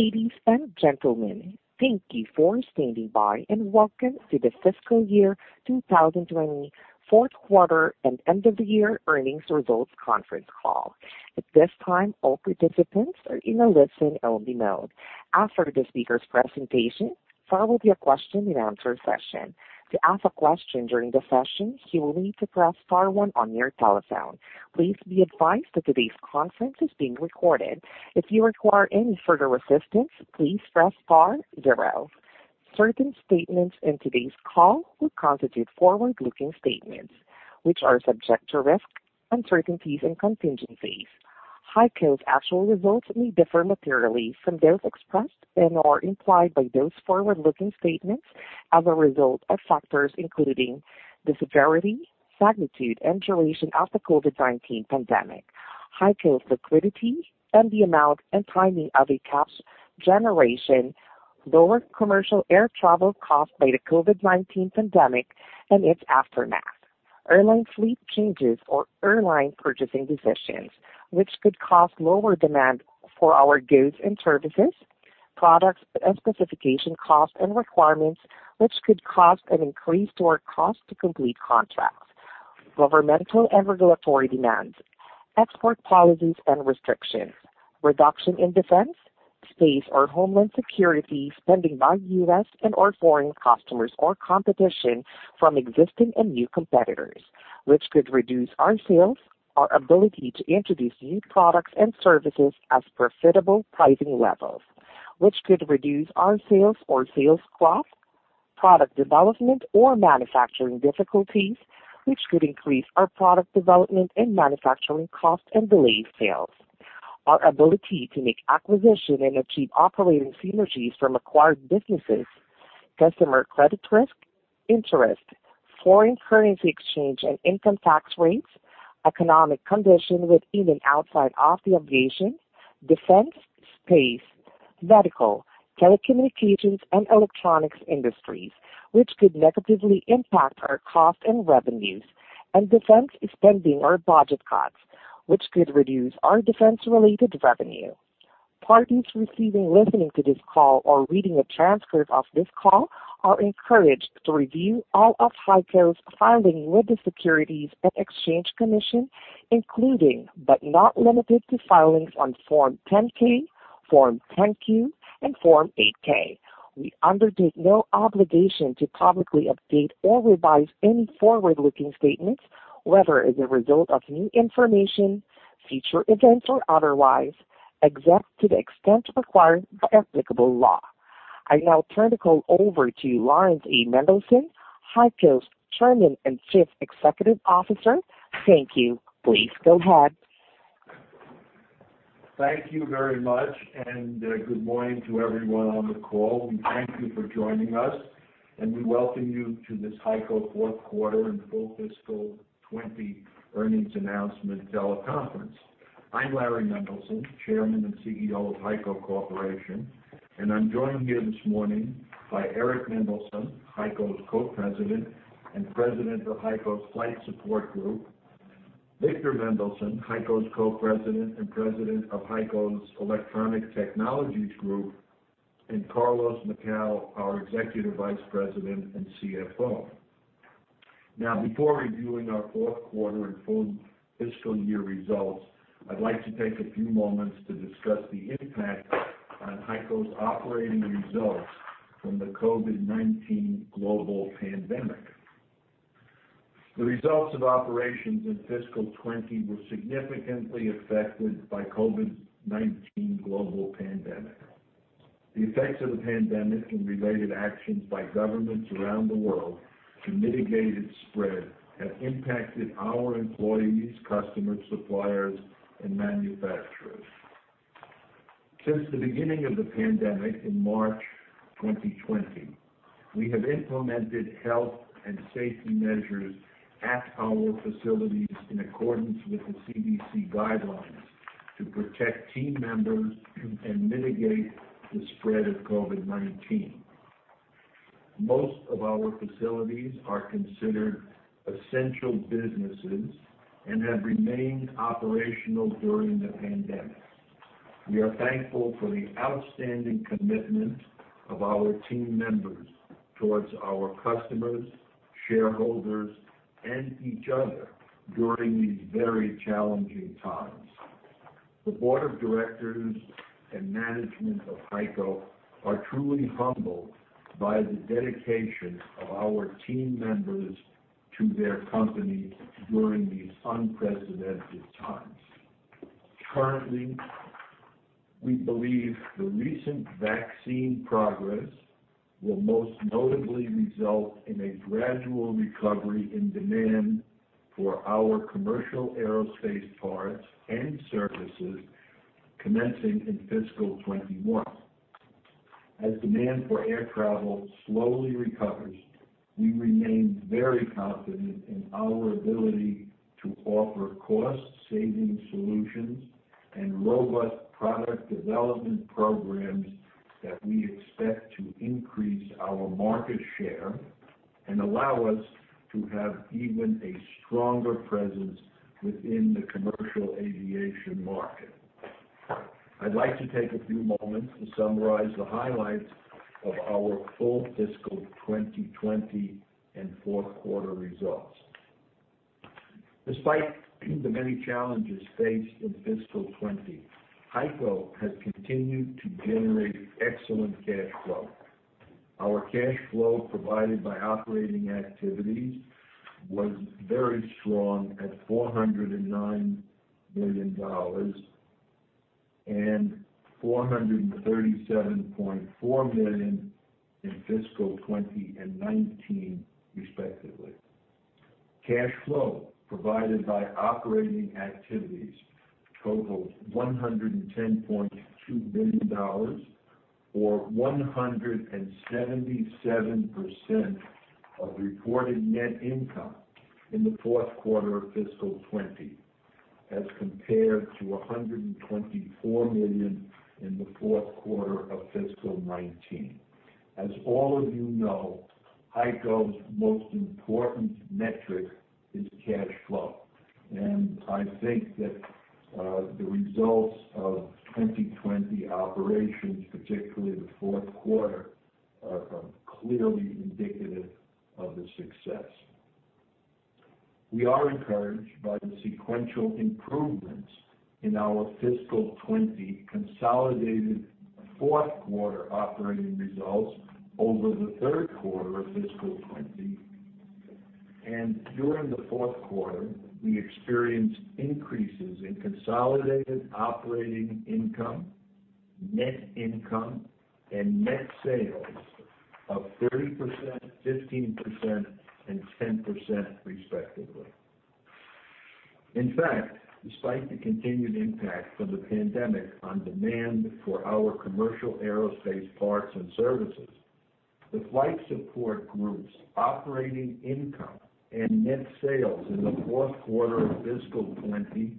Ladies and gentlemen, thank you for standing by, and welcome to the fiscal year 2020 fourth quarter and end of the year earnings results conference call. At this time, all participants are in a listen-only mode. After the speakers' presentation, there will be a question and answer session. To ask a question during the session, you will need to press star one on your telephone. Please be advised that today's conference is being recorded. If you require any further assistance, please press star zero. Certain statements in today's call will constitute forward-looking statements, which are subject to risks, uncertainties, and contingencies. HEICO's actual results may differ materially from those expressed and/or implied by those forward-looking statements as a result of factors including the severity, magnitude, and duration of the COVID-19 pandemic, HEICO's liquidity, and the amount and timing of the cash generation, lower commercial air travel caused by the COVID-19 pandemic and its aftermath, airline fleet changes or airline purchasing decisions, which could cause lower demand for our goods and services, products and specification costs and requirements, which could cause an increase to our cost to complete contracts, governmental and regulatory demands, export policies and restrictions, reduction in defense, space or homeland security spending by U.S. and/or foreign customers or competition from existing and new competitors, which could reduce our sales, our ability to introduce new products and services at profitable pricing levels, which could reduce our sales or sales growth, product development or manufacturing difficulties, which could increase our product development and manufacturing costs and delay sales, our ability to make acquisitions and achieve operating synergies from acquired businesses, customer credit risk, interest, foreign currency exchange and income tax rates, economic conditions within and outside of the aviation, defense, space, medical, telecommunications, and electronics industries, which could negatively impact our cost and revenues, and defense spending or budget cuts, which could reduce our defense-related revenue. Parties receiving listening to this call or reading a transcript of this call are encouraged to review all of HEICO's filings with the Securities and Exchange Commission, including, but not limited to, filings on Form 10-K, Form 10-Q, and Form 8-K. We undertake no obligation to publicly update or revise any forward-looking statements, whether as a result of new information, future events, or otherwise, except to the extent required by applicable law. I now turn the call over to Laurans A. Mendelson, HEICO's Chairman and Chief Executive Officer. Thank you. Please go ahead. Thank you very much, and good morning to everyone on the call. We thank you for joining us, and we welcome you to this HEICO fourth quarter and full fiscal 2020 earnings announcement teleconference. I'm Larry Mendelson, Chairman and CEO of HEICO Corporation, and I'm joined here this morning by Eric Mendelson, HEICO's Co-President and President of HEICO's Flight Support Group, Victor Mendelson, HEICO's Co-President and President of HEICO's Electronic Technologies Group, and Carlos Macau, our Executive Vice President and CFO. Before reviewing our fourth quarter and full fiscal year results, I'd like to take a few moments to discuss the impact on HEICO's operating results from the COVID-19 global pandemic. The results of operations in fiscal 2020 were significantly affected by COVID-19 global pandemic. The effects of the pandemic and related actions by governments around the world to mitigate its spread have impacted our employees, customers, suppliers, and manufacturers. Since the beginning of the pandemic in March 2020, we have implemented health and safety measures at our facilities in accordance with the CDC guidelines to protect team members and mitigate the spread of COVID-19. Most of our facilities are considered essential businesses and have remained operational during the pandemic. We are thankful for the outstanding commitment of our team members towards our customers, shareholders, and each other during these very challenging times. The board of directors and management of HEICO are truly humbled by the dedication of our team members to their company during these unprecedented times. Currently, we believe the recent vaccine progress will most notably result in a gradual recovery in demand for our commercial aerospace parts and services commencing in fiscal 2021. As demand for air travel slowly recovers, we remain very confident in our ability to offer cost-saving solutions and robust product development programs that we expect to increase our market share and allow us to have even a stronger presence within the commercial aviation market. I'd like to take a few moments to summarize the highlights of our full fiscal 2020 and fourth quarter results. Despite the many challenges faced in fiscal 2020, HEICO has continued to generate excellent cash flow. Our cash flow provided by operating activities was very strong at $409 million and $437.4 million in fiscal 2020 and 2019, respectively. Cash flow provided by operating activities totaled $110.2 million, or 177% of reported net income in the fourth quarter of fiscal 2020, as compared to $124 million in the fourth quarter of fiscal 2019. As all of you know, HEICO's most important metric is cash flow, and I think that the results of 2020 operations, particularly the fourth quarter, are clearly indicative of the success. We are encouraged by the sequential improvements in our fiscal 2020 consolidated fourth quarter operating results over the third quarter of fiscal 2020. During the fourth quarter, we experienced increases in consolidated operating income, net income, and net sales of 30%, 15%, and 10%, respectively. In fact, despite the continued impact from the pandemic on demand for our commercial aerospace parts and services, the Flight Support Group's operating income and net sales in the fourth quarter of fiscal 2020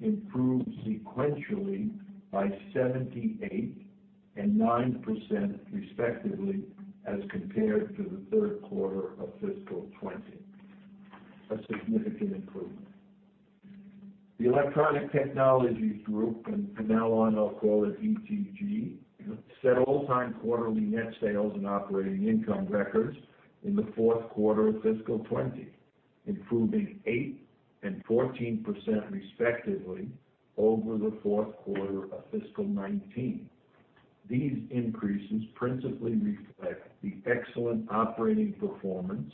improved sequentially by 78% and 9%, respectively, as compared to the third quarter of fiscal 2020. A significant improvement. The Electronic Technologies Group, and from now on I'll call it ETG, set all-time quarterly net sales and operating income records in the fourth quarter of fiscal 2020, improving 8% and 14%, respectively, over the fourth quarter of fiscal 2019. These increases principally reflect the excellent operating performance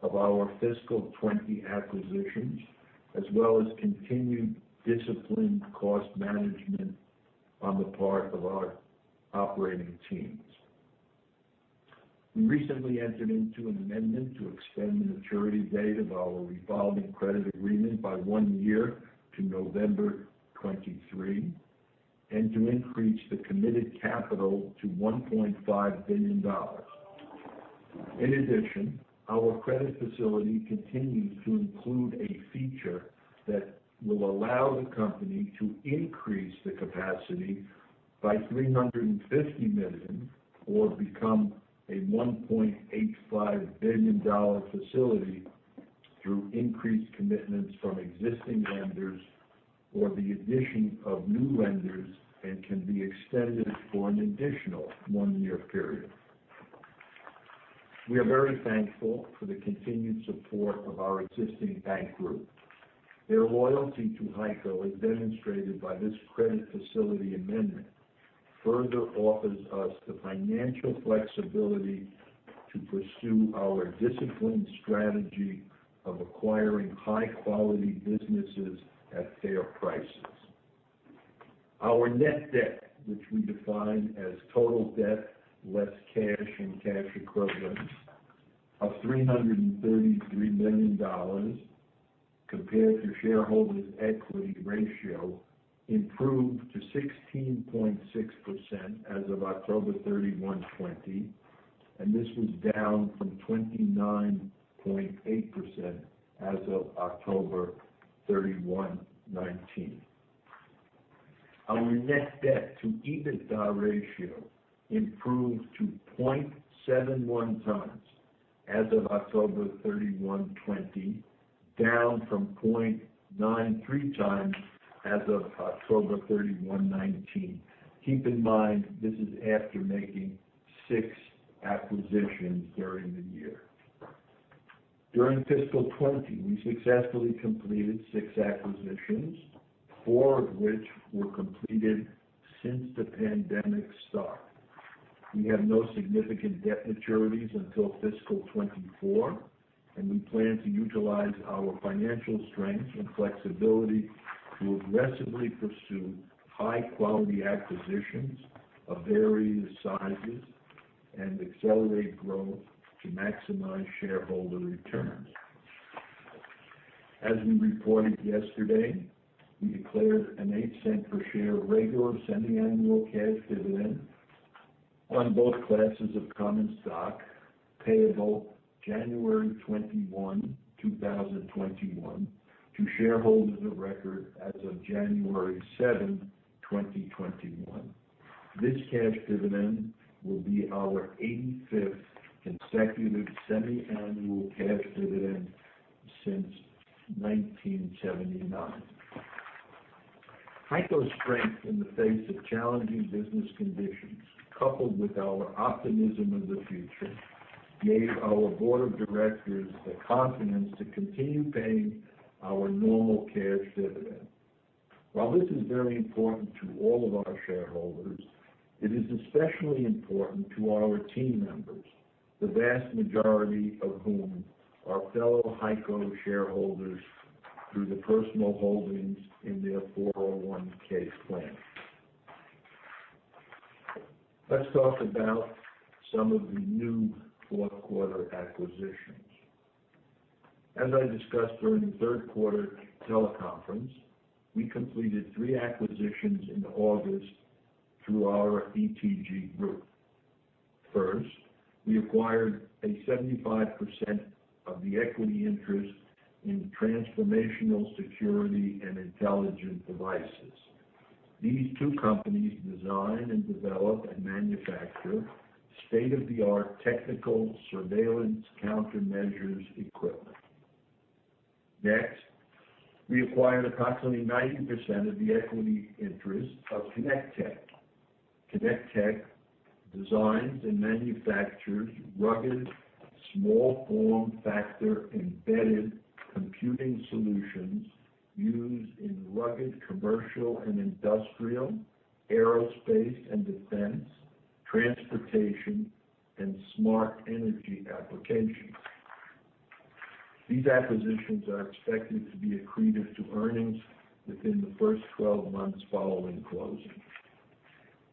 of our fiscal 2020 acquisitions, as well as continued disciplined cost management on the part of our operating teams. We recently entered into an amendment to extend the maturity date of our revolving credit agreement by one year to November 2023, and to increase the committed capital to $1.5 billion. In addition, our credit facility continues to include a feature that will allow the company to increase the capacity by $350 million or become a $1.85 billion facility through increased commitments from existing lenders or the addition of new lenders, and can be extended for an additional one-year period. We are very thankful for the continued support of our existing bank group. Their loyalty to HEICO, as demonstrated by this credit facility amendment, further offers us the financial flexibility to pursue our disciplined strategy of acquiring high-quality businesses at fair prices. Our net debt, which we define as total debt less cash and cash equivalents, of $333 million compared to shareholders' equity ratio, improved to 16.6% as of October 31, 2020. This was down from 29.8% as of October 31, 2019. Our net debt to EBITDA ratio improved to 0.71x as of October 31, 2020, down from 0.93x as of October 31, 2019. Keep in mind, this is after making six acquisitions during the year. During fiscal 2020, we successfully completed six acquisitions, four of which were completed since the pandemic start. We have no significant debt maturities until fiscal 2024. We plan to utilize our financial strength and flexibility to aggressively pursue high-quality acquisitions of various sizes and accelerate growth to maximize shareholder returns. As we reported yesterday, we declared an $0.08 per share regular semi-annual cash dividend on both classes of common stock payable January 21, 2021 to shareholders of record as of January 7, 2021. This cash dividend will be our 85th consecutive semiannual cash dividend since 1979. HEICO's strength in the face of challenging business conditions, coupled with our optimism of the future, gave our board of directors the confidence to continue paying our normal cash dividend. While this is very important to all of our shareholders, it is especially important to our team members, the vast majority of whom are fellow HEICO shareholders through the personal holdings in their 401(k) plan. Let's talk about some of the new fourth quarter acquisitions. As I discussed during the third quarter teleconference, we completed three acquisitions in August through our ETG Group. First, we acquired a 75% of the equity interest in Transformational Security and Intelligent Devices. These two companies design and develop and manufacture state-of-the-art technical surveillance countermeasures equipment. Next, we acquired approximately 90% of the equity interest of Connect Tech. Connect Tech designs and manufactures rugged, small form factor, embedded computing solutions used in rugged commercial and industrial, aerospace and defense, transportation, and smart energy applications. These acquisitions are expected to be accretive to earnings within the first 12 months following closing.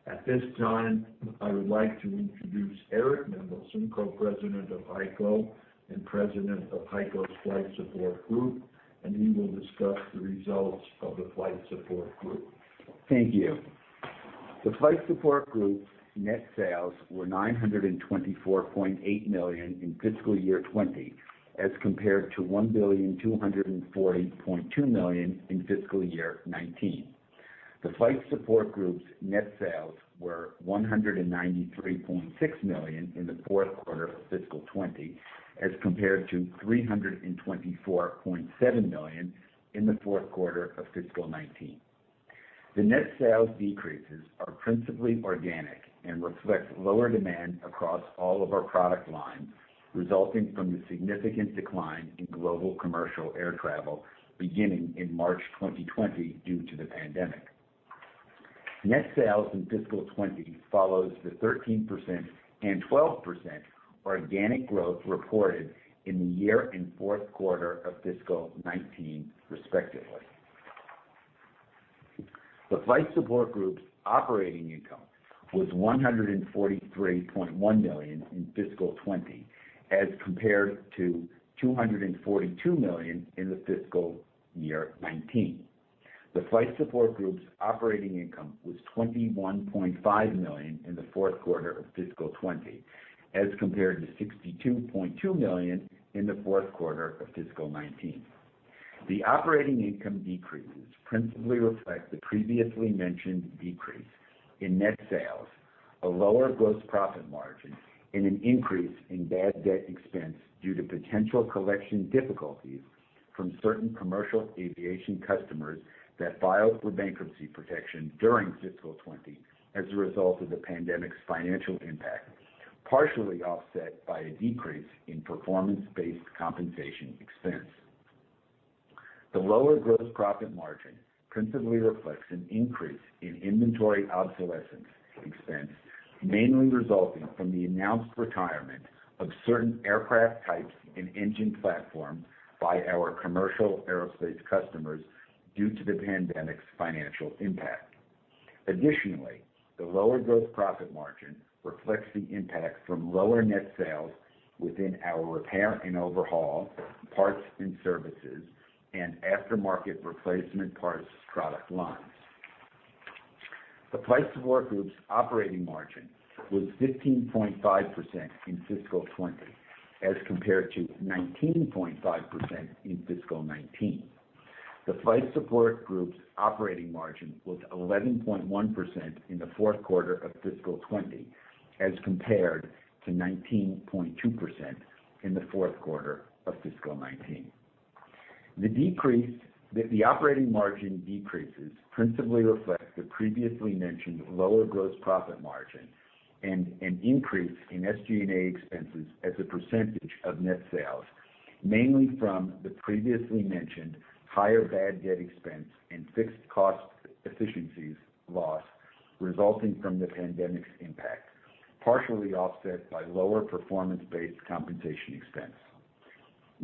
At this time, I would like to introduce Eric Mendelson, Co-President of HEICO and President of HEICO's Flight Support Group, and he will discuss the results of the Flight Support Group. Thank you. The Flight Support Group's net sales were $924.8 million in fiscal year 2020, as compared to $1,240.2 million in fiscal year 2019. The Flight Support Group's net sales were $193.6 million in the fourth quarter of fiscal 2020, as compared to $324.7 million in the fourth quarter of fiscal 2019. The net sales decreases are principally organic and reflects lower demand across all of our product lines, resulting from the significant decline in global commercial air travel beginning in March 2020 due to the pandemic. Net sales in fiscal 2020 follows the 13% and 12% organic growth reported in the year and fourth quarter of fiscal 2019, respectively. The Flight Support Group's operating income was $143.1 million in fiscal 2020, as compared to $242 million in the fiscal year 2019. The Flight Support Group's operating income was $21.5 million in the fourth quarter of fiscal 2020, as compared to $62.2 million in the fourth quarter of fiscal 2019. The operating income decreases principally reflect the previously mentioned decrease in net sales, a lower gross profit margin, an increase in bad debt expense due to potential collection difficulties from certain commercial aviation customers that filed for bankruptcy protection during fiscal 2020 as a result of the pandemic's financial impact, partially offset by a decrease in performance-based compensation expense. The lower gross profit margin principally reflects an increase in inventory obsolescence expense, mainly resulting from the announced retirement of certain aircraft types and engine platforms by our commercial aerospace customers due to the pandemic's financial impact. Additionally, the lower gross profit margin reflects the impact from lower net sales within our repair and overhaul, parts and services, and aftermarket replacement parts product lines. The Flight Support Group's operating margin was 15.5% in fiscal 2020, as compared to 19.5% in fiscal 2019. The Flight Support Group's operating margin was 11.1% in the fourth quarter of fiscal 2020, as compared to 19.2% in the fourth quarter of fiscal 2019. The operating margin decreases principally reflect the previously mentioned lower gross profit margin and an increase in SG&A expenses as a percentage of net sales, mainly from the previously mentioned higher bad debt expense and fixed cost efficiencies loss resulting from the pandemic's impact, partially offset by lower performance-based compensation expense.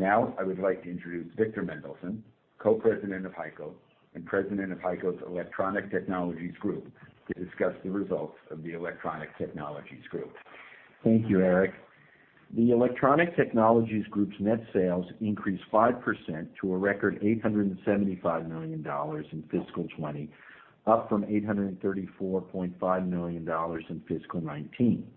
I would like to introduce Victor Mendelson, Co-President of HEICO and President of HEICO's Electronic Technologies Group, to discuss the results of the Electronic Technologies Group. Thank you, Eric. The Electronic Technologies Group's net sales increased 5% to a record $875 million in fiscal 2020, up from $834.5 million in fiscal 2019.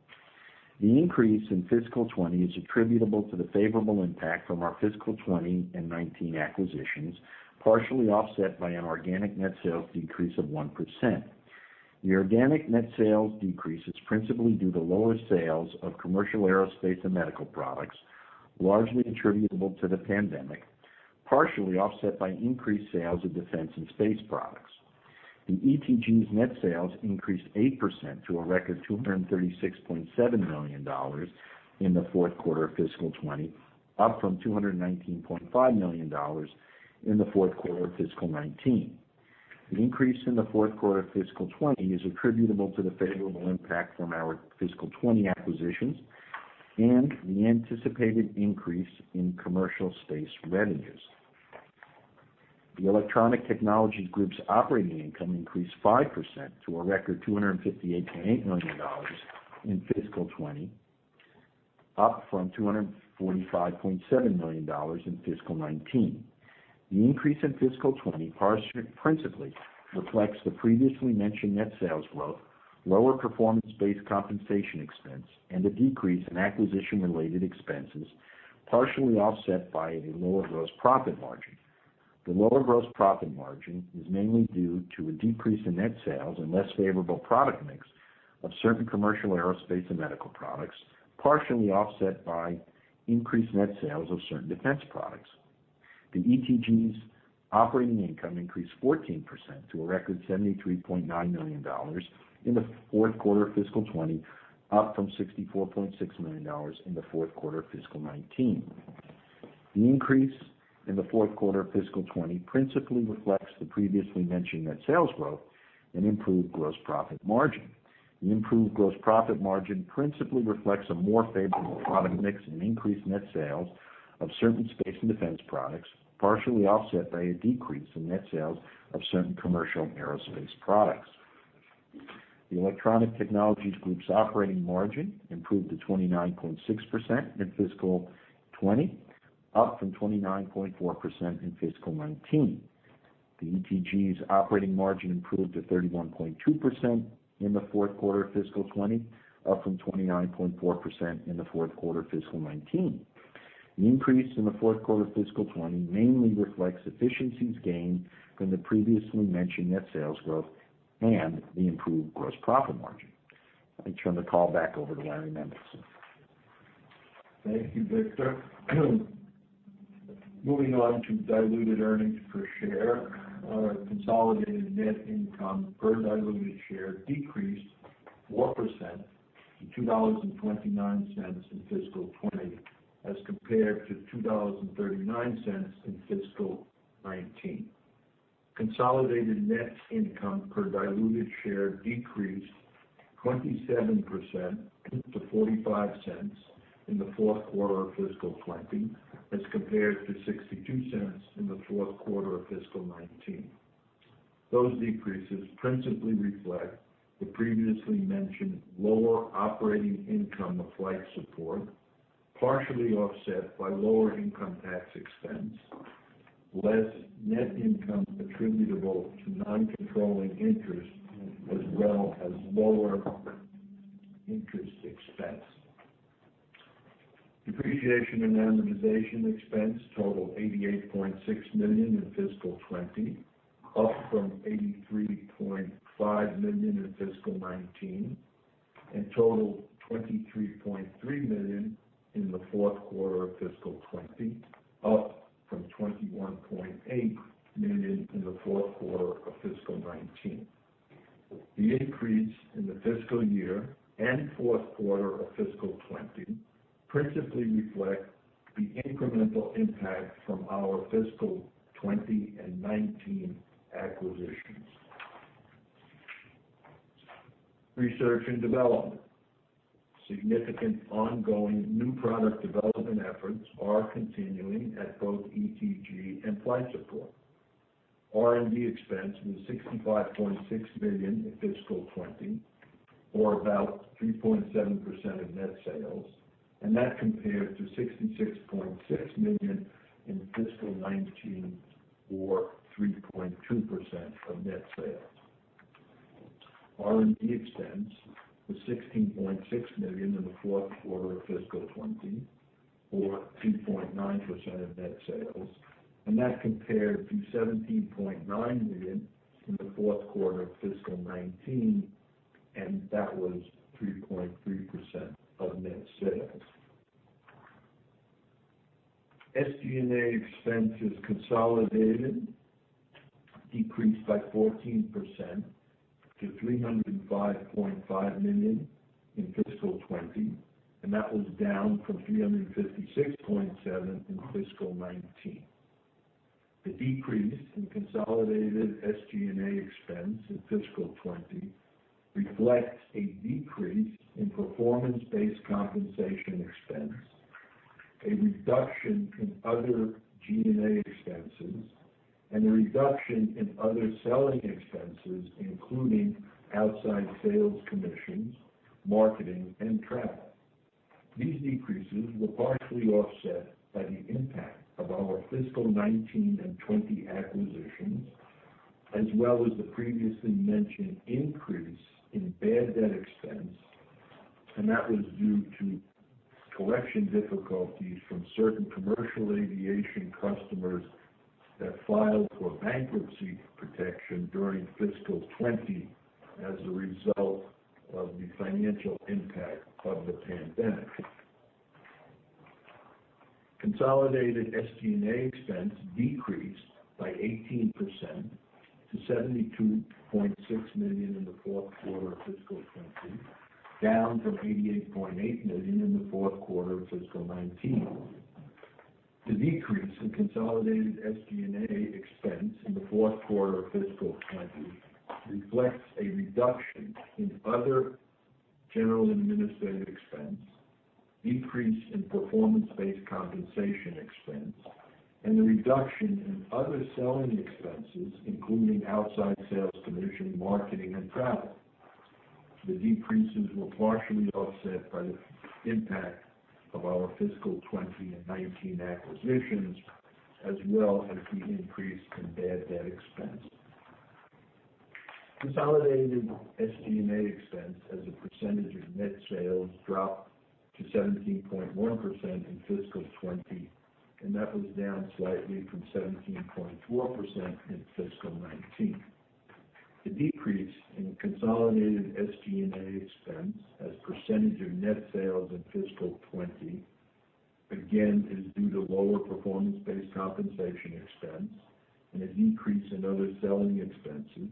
The increase in fiscal 2020 is attributable to the favorable impact from our fiscal 2020 and 2019 acquisitions, partially offset by an organic net sales decrease of 1%. The organic net sales decrease is principally due to lower sales of commercial aerospace and medical products, largely attributable to the pandemic, partially offset by increased sales of defense and space products. The ETG's net sales increased 8% to a record $236.7 million in the fourth quarter of fiscal 2020, up from $219.5 million in the fourth quarter of fiscal 2019. The increase in the fourth quarter of fiscal 2020 is attributable to the favorable impact from our fiscal 2020 acquisitions and the anticipated increase in commercial space revenues. The Electronic Technologies Group's operating income increased 5% to a record $258.8 million in fiscal 2020, up from $245.7 million in fiscal 2019. The increase in fiscal 2020 principally reflects the previously mentioned net sales growth, lower performance-based compensation expense, and a decrease in acquisition-related expenses, partially offset by the lower gross profit margin. The lower gross profit margin is mainly due to a decrease in net sales and less favorable product mix of certain commercial aerospace and medical products, partially offset by increased net sales of certain defense products. The ETG's operating income increased 14% to a record $73.9 million in the fourth quarter of fiscal 2020, up from $64.6 million in the fourth quarter of fiscal 2019. The increase in the fourth quarter of fiscal 2020 principally reflects the previously mentioned net sales growth and improved gross profit margin. The improved gross profit margin principally reflects a more favorable product mix and increased net sales of certain space and defense products, partially offset by a decrease in net sales of certain commercial aerospace products. The Electronic Technologies Group's operating margin improved to 29.6% in fiscal 2020, up from 29.4% in fiscal 2019. The ETG's operating margin improved to 31.2% in the fourth quarter of fiscal 2020, up from 29.4% in the fourth quarter of fiscal 2019. The increase in the fourth quarter of fiscal 2020 mainly reflects efficiencies gained from the previously mentioned net sales growth and the improved gross profit margin. Let me turn the call back over to Larry Mendelson. Thank you, Victor. Moving on to diluted earnings per share. Our consolidated net income per diluted share decreased 4% to $2.29 in fiscal 2020, as compared to $2.39 in fiscal 2019. Consolidated net income per diluted share decreased 27% to $0.45 in the fourth quarter of fiscal 2020, as compared to $0.62 in the fourth quarter of fiscal 2019. Those decreases principally reflect the previously mentioned lower operating income of Flight Support, partially offset by lower income tax expense, less net income attributable to non-controlling interest, as well as lower interest expense. Depreciation and amortization expense totaled $88.6 million in fiscal 2020, up from $83.5 million in fiscal 2019, and totaled $23.3 million in the fourth quarter of fiscal 2020, up from $21.8 million in the fourth quarter of fiscal 2019. The increase in the fiscal year and fourth quarter of fiscal 2020 principally reflect the incremental impact from our fiscal 2020 and 2019 acquisitions. Research and development. Significant ongoing new product development efforts are continuing at both ETG and Flight Support. R&D expense was $65.6 million in fiscal 2020, or about 3.7% of net sales, and that compared to $66.6 million in fiscal 2019, or 3.2% of net sales. R&D expense was $16.6 million in the fourth quarter of fiscal 2020, or 2.9% of net sales, and that compared to $17.9 million in the fourth quarter of fiscal 2019, and that was 3.3% of net sales. SG&A expenses consolidated decreased by 14% to $305.5 million in fiscal 2020, and that was down from $356.7 million in fiscal 2019. The decrease in consolidated SG&A expense in fiscal 2020 reflects a decrease in performance-based compensation expense, a reduction in other G&A expenses, and a reduction in other selling expenses, including outside sales commissions, marketing, and travel. These decreases were partially offset by the impact of our fiscal 2019 and 2020 acquisitions, as well as the previously mentioned increase in bad debt expense, and that was due to collection difficulties from certain commercial aviation customers that filed for bankruptcy protection during fiscal 2020 as a result of the financial impact of the pandemic. Consolidated SG&A expense decreased by 18% to $72.6 million in the fourth quarter of fiscal 2020, down from $88.8 million in the fourth quarter of fiscal 2019. The decrease in consolidated SG&A expense in the fourth quarter of fiscal 2020 reflects a reduction in other general administrative expense, decrease in performance-based compensation expense, and the reduction in other selling expenses, including outside sales commission, marketing, and travel. The decreases were partially offset by the impact of our fiscal 2020 and 2019 acquisitions, as well as the increase in bad debt expense. Consolidated SG&A expense as a percentage of net sales dropped to 17.1% in fiscal 2020, and that was down slightly from 17.4% in fiscal 2019. The decrease in consolidated SG&A expense as a percentage of net sales in fiscal 2020, again, is due to lower performance-based compensation expense and a decrease in other selling expenses,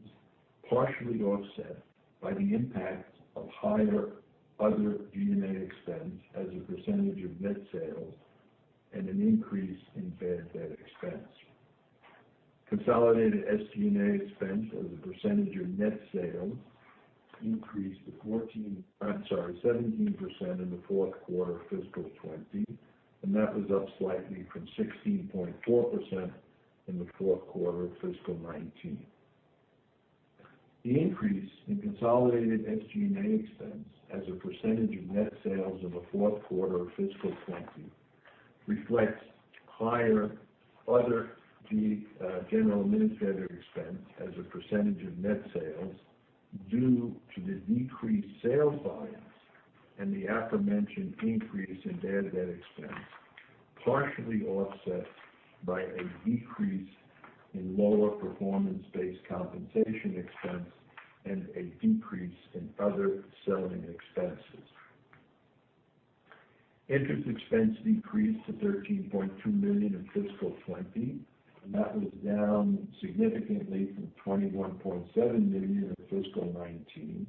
partially offset by the impact of higher other G&A expense as a percentage of net sales and an increase in bad debt expense. Consolidated SG&A expense as a percentage of net sales increased to 17% in the fourth quarter of fiscal 2020, and that was up slightly from 16.4% in the fourth quarter of fiscal 2019. The increase in consolidated SG&A expense as a percentage of net sales of the fourth quarter of fiscal 2020 reflects higher other general administrative expense as a percentage of net sales due to the decreased sales volumes and the aforementioned increase in bad debt expense, partially offset by a decrease in lower performance-based compensation expense and a decrease in other selling expenses. Interest expense decreased to $13.2 million in fiscal 2020, and that was down significantly from $21.7 million in fiscal 2019,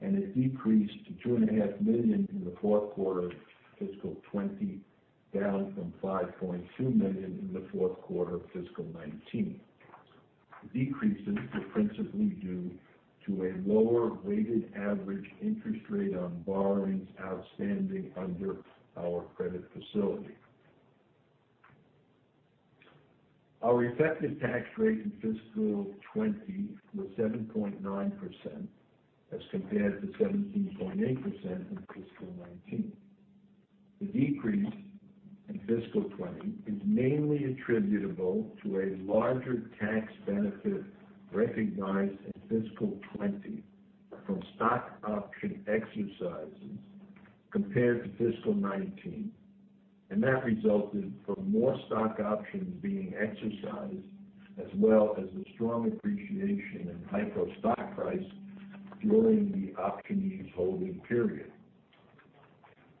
and it decreased to $2.5 million in the fourth quarter of fiscal 2020, down from $5.2 million in the fourth quarter of fiscal 2019. The decreases were principally due to a lower weighted average interest rate on borrowings outstanding under our credit facility. Our effective tax rate in fiscal 2020 was 7.9% as compared to 17.8% in fiscal 2019. The decrease in fiscal 2020 is mainly attributable to a larger tax benefit recognized in fiscal 2020 from stock option exercises compared to fiscal 2019. That resulted from more stock options being exercised, as well as the strong appreciation in HEICO stock price during the optionee's holding period.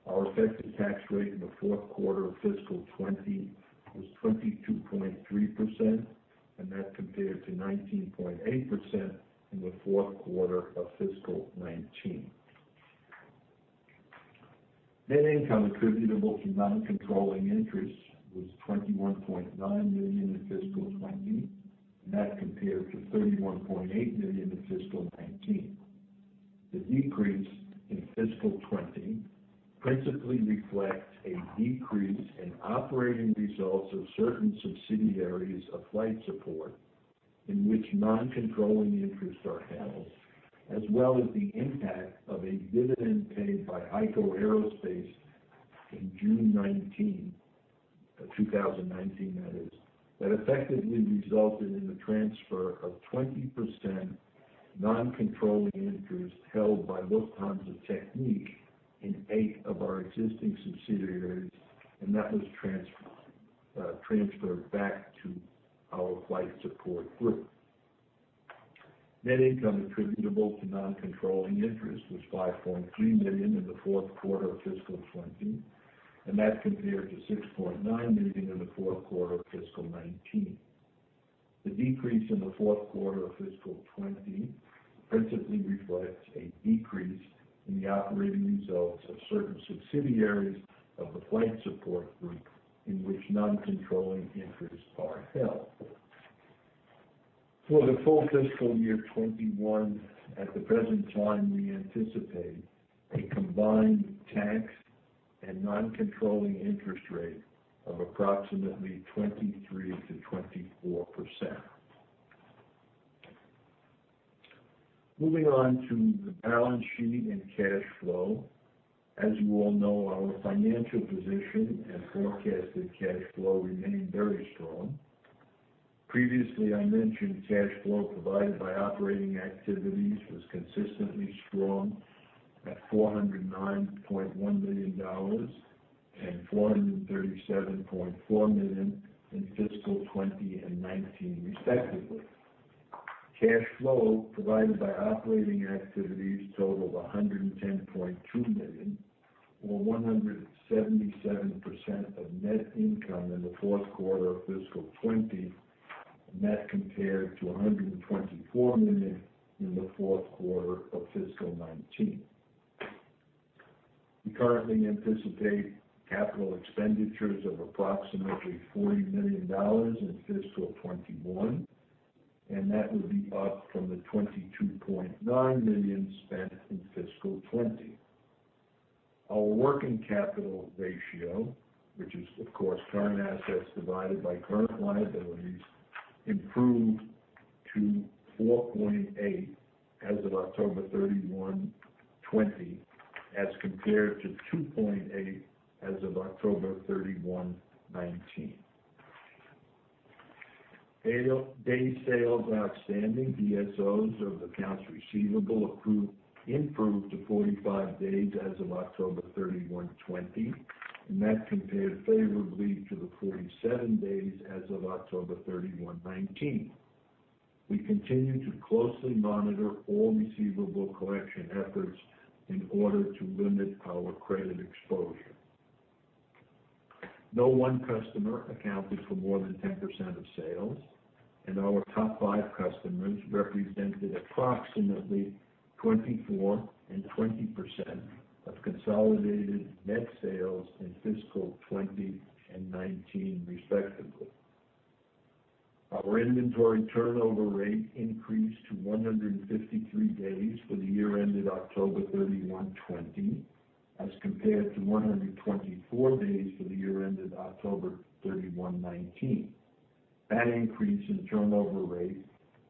Our effective tax rate in the fourth quarter of fiscal 2020 was 22.3%, and that compared to 19.8% in the fourth quarter of fiscal 2019. Net income attributable to non-controlling interests was $21.9 million in fiscal 2020, and that compared to $31.8 million in fiscal 2019. The decrease in fiscal 2020 principally reflects a decrease in operating results of certain subsidiaries of Flight Support Group in which non-controlling interests are held, as well as the impact of a dividend paid by HEICO Aerospace in June 2019, that effectively resulted in the transfer of 20% non-controlling interest held by Lufthansa Technik in eight of our existing subsidiaries, and that was transferred back to our Flight Support Group. Net income attributable to non-controlling interest was $5.3 million in the fourth quarter of fiscal 2020, and that compared to $6.9 million in the fourth quarter of fiscal 2019. The decrease in the fourth quarter of fiscal 2020 principally reflects a decrease in the operating results of certain subsidiaries of the Flight Support Group in which non-controlling interests are held. For the full fiscal year 2021, at the present time, we anticipate a combined tax and non-controlling interest rate of approximately 23%-24%. Moving on to the balance sheet and cash flow. As you all know, our financial position and forecasted cash flow remain very strong. Previously, I mentioned cash flow provided by operating activities was consistently strong at $409.1 million and $437.4 million in fiscal 2020 and 2019 respectively. Cash flow provided by operating activities totaled $110.2 million or 177% of net income in the fourth quarter of fiscal 2020. That compared to $124 million in the fourth quarter of fiscal 2019. We currently anticipate capital expenditures of approximately $40 million in fiscal 2021. That would be up from the $22.9 million spent in fiscal 2020. Our working capital ratio, which is of course current assets divided by current liabilities, improved to 4.8 as of October 31, 2020, as compared to 2.8 as of October 31, 2019. Days Sales Outstanding, DSOs of accounts receivable improved to 45 days as of October 31, 2020, and that compared favorably to the 47 days as of October 31, 2019. We continue to closely monitor all receivable collection efforts in order to limit our credit exposure. No one customer accounted for more than 10% of sales, and our top five customers represented approximately 24% and 20% of consolidated net sales in fiscal 2020 and 2019 respectively. Our inventory turnover rate increased to 153 days for the year ended October 31, 2020, as compared to 124 days for the year ended October 31, 2019. That increase in turnover rate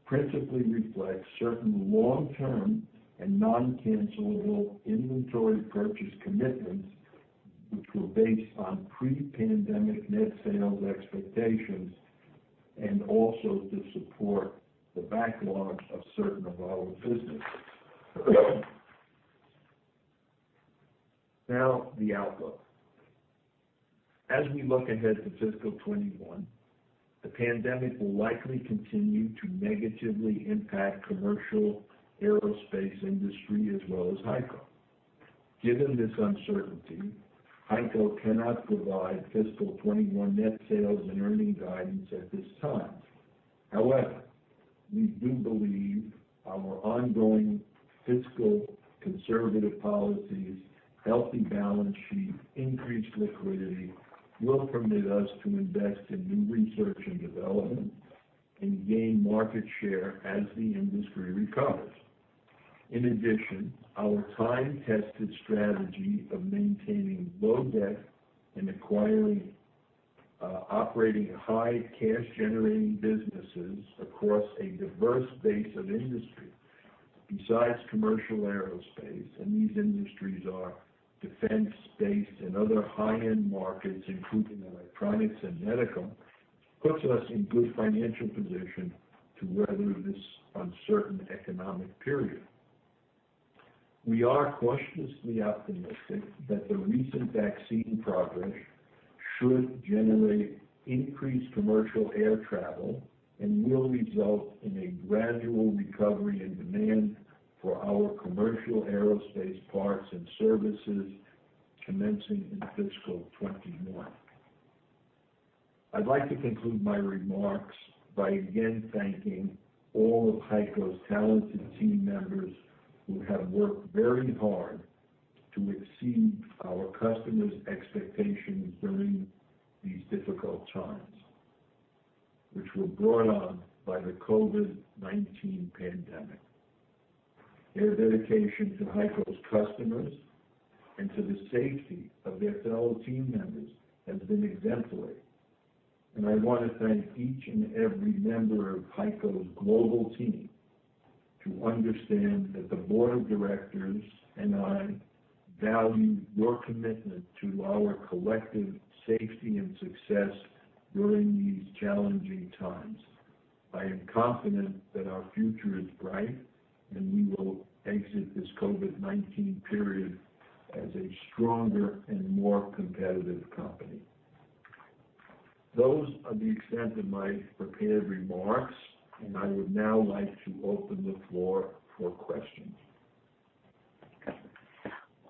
principally reflects certain long-term and non-cancelable inventory purchase commitments, which were based on pre-pandemic net sales expectations, and also to support the backlog of certain of our businesses. Now, the outlook. As we look ahead to fiscal 2021, the pandemic will likely continue to negatively impact commercial aerospace industry as well as HEICO. Given this uncertainty, HEICO cannot provide fiscal 2021 net sales and earning guidance at this time. However, we do believe our ongoing fiscal conservative policies, healthy balance sheet, increased liquidity will permit us to invest in new research and development and gain market share as the industry recovers. Our time-tested strategy of maintaining low debt and acquiring operating high cash generating businesses across a diverse base of industry besides commercial aerospace, and these industries are defense-based and other high-end markets, including electronics and medical, puts us in good financial position to weather this uncertain economic period. We are cautiously optimistic that the recent vaccine progress should generate increased commercial air travel and will result in a gradual recovery in demand for our commercial aerospace parts and services commencing in fiscal 2021. I'd like to conclude my remarks by again thanking all of HEICO's talented team members who have worked very hard to exceed our customers' expectations during these difficult times, which were brought on by the COVID-19 pandemic. Their dedication to HEICO's customers and to the safety of their fellow team members has been exemplary. I want to thank each and every member of HEICO's global team to understand that the board of directors and I value your commitment to our collective safety and success during these challenging times. I am confident that our future is bright, and we will exit this COVID-19 period as a stronger and more competitive company. Those are the extent of my prepared remarks, and I would now like to open the floor for questions.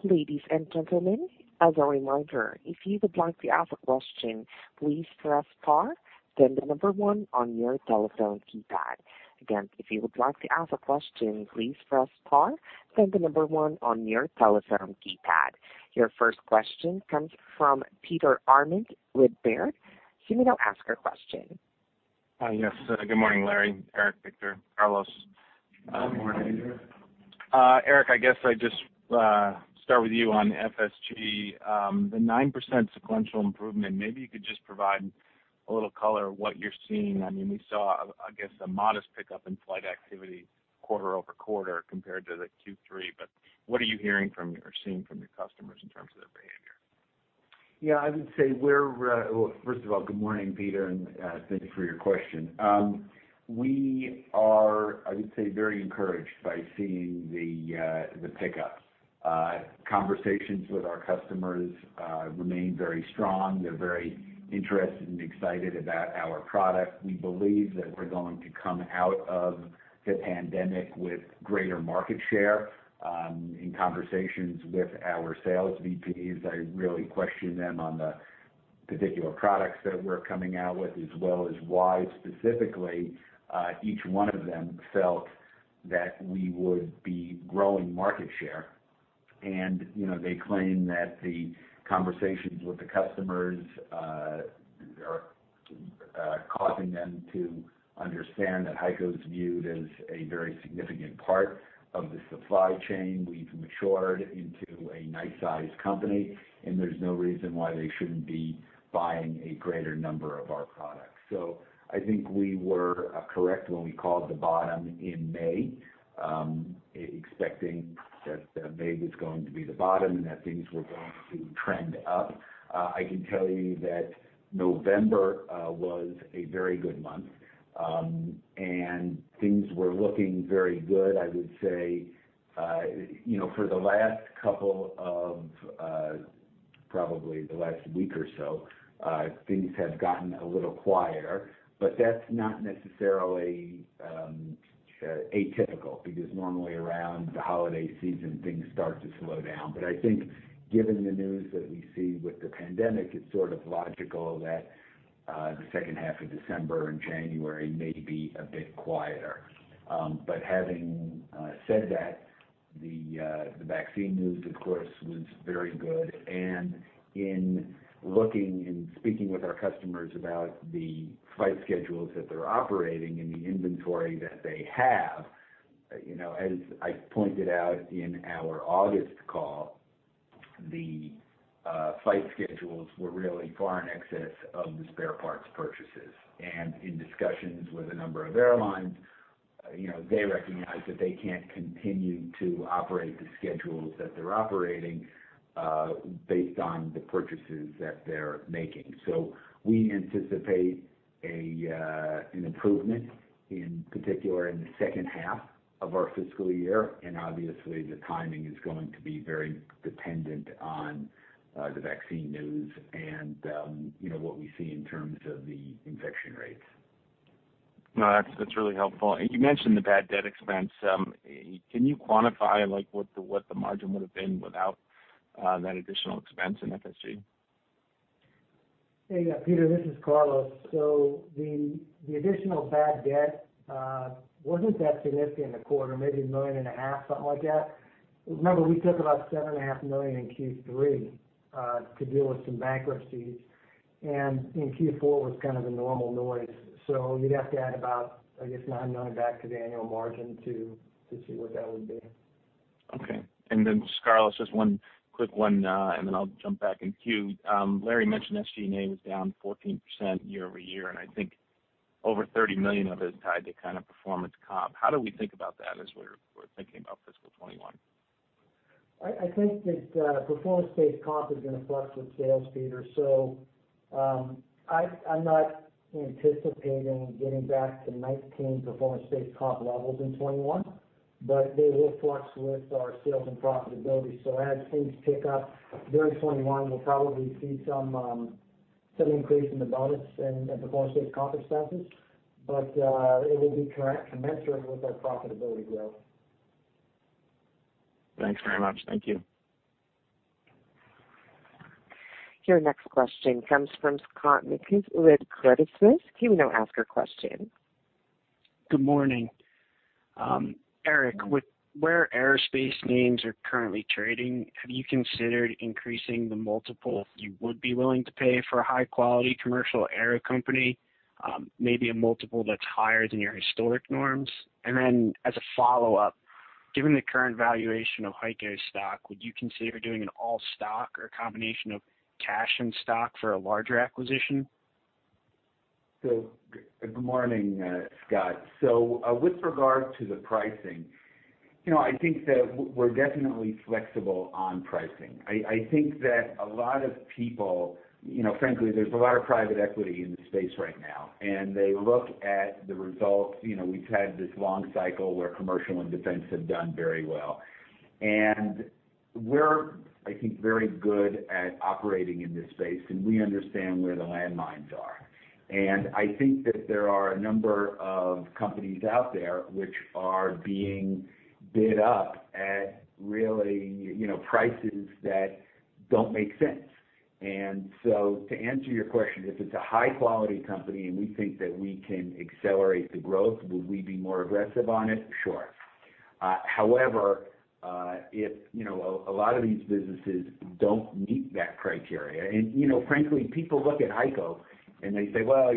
Ladies and gentlemen, if you would like to ask a question, please press star then the number one on your telephone keypad. Then if you would like to ask a question, please press star then the number one on your telephone keypad. Your first question comes from Peter Arment with Baird. You may now ask your question. Yes. Good morning, Larry, Eric, Victor, Carlos. Good morning. Eric, I guess I just start with you on FSG. The 9% sequential improvement, maybe you could just provide a little color of what you're seeing. We saw, I guess, a modest pickup in flight activity quarter-over-quarter compared to the Q3, but what are you hearing or seeing from your customers in terms of their behavior? Yeah. First of all, good morning, Peter, and thank you for your question. We are, I would say, very encouraged by seeing the pickup. Conversations with our customers remain very strong. They're very interested and excited about our product. We believe that we're going to come out of the pandemic with greater market share. In conversations with our sales VPs, I really question them on the particular products that we're coming out with, as well as why specifically each one of them felt that we would be growing market share. They claim that the conversations with the customers are causing them to understand that HEICO's viewed as a very significant part of the supply chain. We've matured into a nice size company, and there's no reason why they shouldn't be buying a greater number of our products. I think we were correct when we called the bottom in May, expecting that May was going to be the bottom and that things were going to trend up. I can tell you that November was a very good month, and things were looking very good, I would say. For the last week or so, things have gotten a little quieter, but that's not necessarily atypical, because normally around the holiday season, things start to slow down. I think given the news that we see with the pandemic, it's sort of logical that the second half of December and January may be a bit quieter. Having said that, the vaccine news, of course, was very good. In looking and speaking with our customers about the flight schedules that they're operating and the inventory that they have, as I pointed out in our August call, the flight schedules were really far in excess of the spare parts purchases. In discussions with a number of airlines, they recognize that they can't continue to operate the schedules that they're operating based on the purchases that they're making. We anticipate an improvement, in particular in the second half of our fiscal year, and obviously the timing is going to be very dependent on the vaccine news and what we see in terms of the infection rates. No, that's really helpful. You mentioned the bad debt expense. Can you quantify what the margin would've been without that additional expense in FSG? Peter, this is Carlos. The additional bad debt wasn't that significant a quarter, maybe $1.5 million, something like that. Remember, we took about $7.5 million in Q3 to deal with some bankruptcies, and in Q4 was kind of the normal noise. You'd have to add about, I guess, $9 million back to the annual margin to see what that would be. Okay. Carlos, just one quick one, then I'll jump back in queue. Larry mentioned SG&A was down 14% year-over-year. I think over $30 million of it is tied to performance comp. How do we think about that as we're thinking about fiscal 2021? I think that performance-based comp is going to flux with sales, Peter. I'm not anticipating getting back to 2019 performance-based comp levels in 2021, but they will flux with our sales and profitability. As things pick up during 2021, we'll probably see some increase in the bonus and the performance-based comp expenses. It will be commensurate with our profitability growth. Thanks very much. Thank you. Your next question comes from Scott Mikus with Credit Suisse. You may now ask your question. Good morning. Eric, with where aerospace names are currently trading, have you considered increasing the multiple you would be willing to pay for a high-quality commercial aero company? Maybe a multiple that's higher than your historic norms. As a follow-up, given the current valuation of HEICO's stock, would you consider doing an all stock or a combination of cash and stock for a larger acquisition? Good morning, Scott. With regard to the pricing, I think that we're definitely flexible on pricing. Frankly, there's a lot of private equity in the space right now, and they look at the results. We've had this long cycle where commercial and defense have done very well. We're, I think, very good at operating in this space, and we understand where the landmines are. I think that there are a number of companies out there which are being bid up at really prices that don't make sense. To answer your question, if it's a high-quality company and we think that we can accelerate the growth, would we be more aggressive on it? Sure. However, if a lot of these businesses don't meet that criteria, and frankly, people look at HEICO and they say, "Well,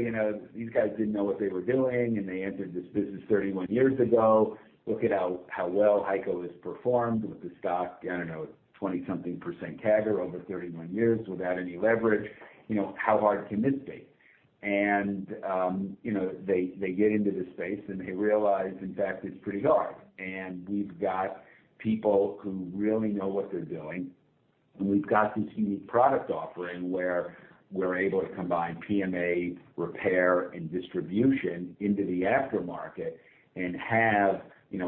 these guys didn't know what they were doing, and they entered this business 31 years ago. Look at how well HEICO has performed with the stock," I don't know, "20-something% CAGR over 31 years without any leverage. How hard can this be?" They get into the space, and they realize, in fact, it's pretty hard. We've got people who really know what they're doing, and we've got this unique product offering where we're able to combine PMA, repair, and distribution into the aftermarket, and have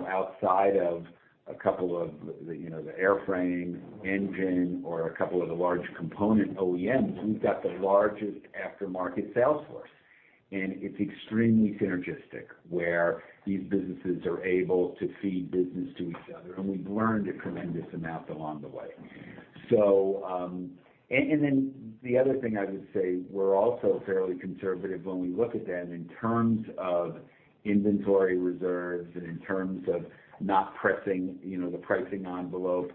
outside of a couple of the airframe, engine, or a couple of the large component OEMs, we've got the largest aftermarket sales force. It's extremely synergistic, where these businesses are able to feed business to each other, and we've learned a tremendous amount along the way. The other thing I would say, we're also fairly conservative when we look at that in terms of inventory reserves and in terms of not pressing the pricing envelope.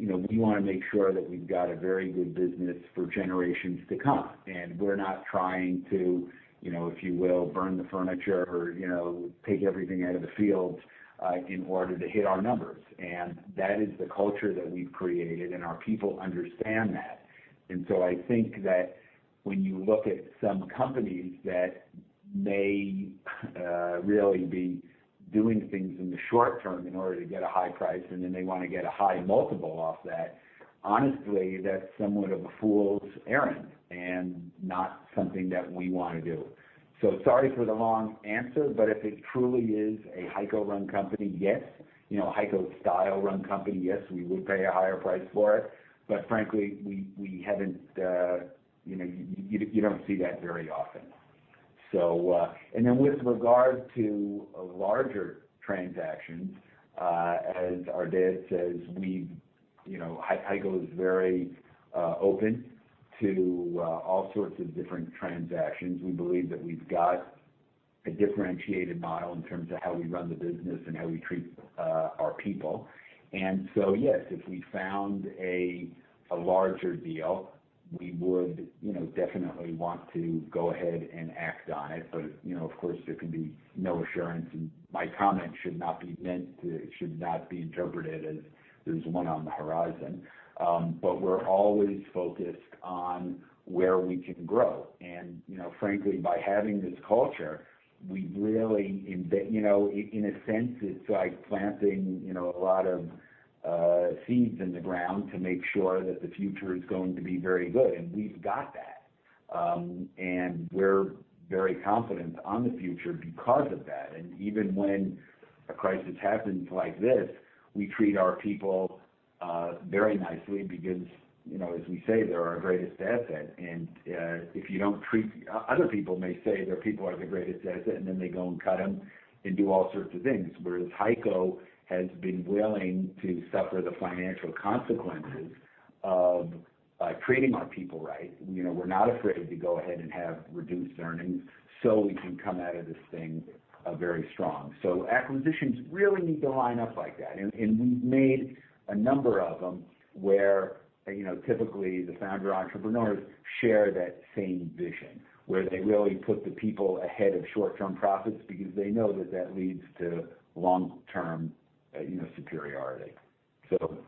We want to make sure that we've got a very good business for generations to come, and we're not trying to, if you will, burn the furniture or take everything out of the field in order to hit our numbers. That is the culture that we've created, and our people understand that. I think that when you look at some companies that may really be doing things in the short term in order to get a high price, and then they want to get a high multiple off that, honestly, that's somewhat of a fool's errand and not something that we want to do. Sorry for the long answer, but if it truly is a HEICO-run company, yes. HEICO-style run company, yes, we would pay a higher price for it. Frankly, you don't see that very often. With regard to larger transactions, as our dad says, HEICO is very open to all sorts of different transactions. We believe that we've got a differentiated model in terms of how we run the business and how we treat our people. Yes, if we found a larger deal, we would definitely want to go ahead and act on it. Of course, there can be no assurance, and my comment should not be interpreted as there's one on the horizon. We're always focused on where we can grow. Frankly, by having this culture, in a sense it's like planting a lot of seeds in the ground to make sure that the future is going to be very good. We've got that. We're very confident on the future because of that. Even when a crisis happens like this, we treat our people very nicely because, as we say, they're our greatest asset. Other people may say their people are their greatest asset, and then they go and cut them and do all sorts of things. Whereas HEICO has been willing to suffer the financial consequences of treating our people right. We're not afraid to go ahead and have reduced earnings so we can come out of this thing very strong. Acquisitions really need to line up like that. We've made a number of them where typically the founder entrepreneurs share that same vision, where they really put the people ahead of short-term profits because they know that that leads to long-term superiority.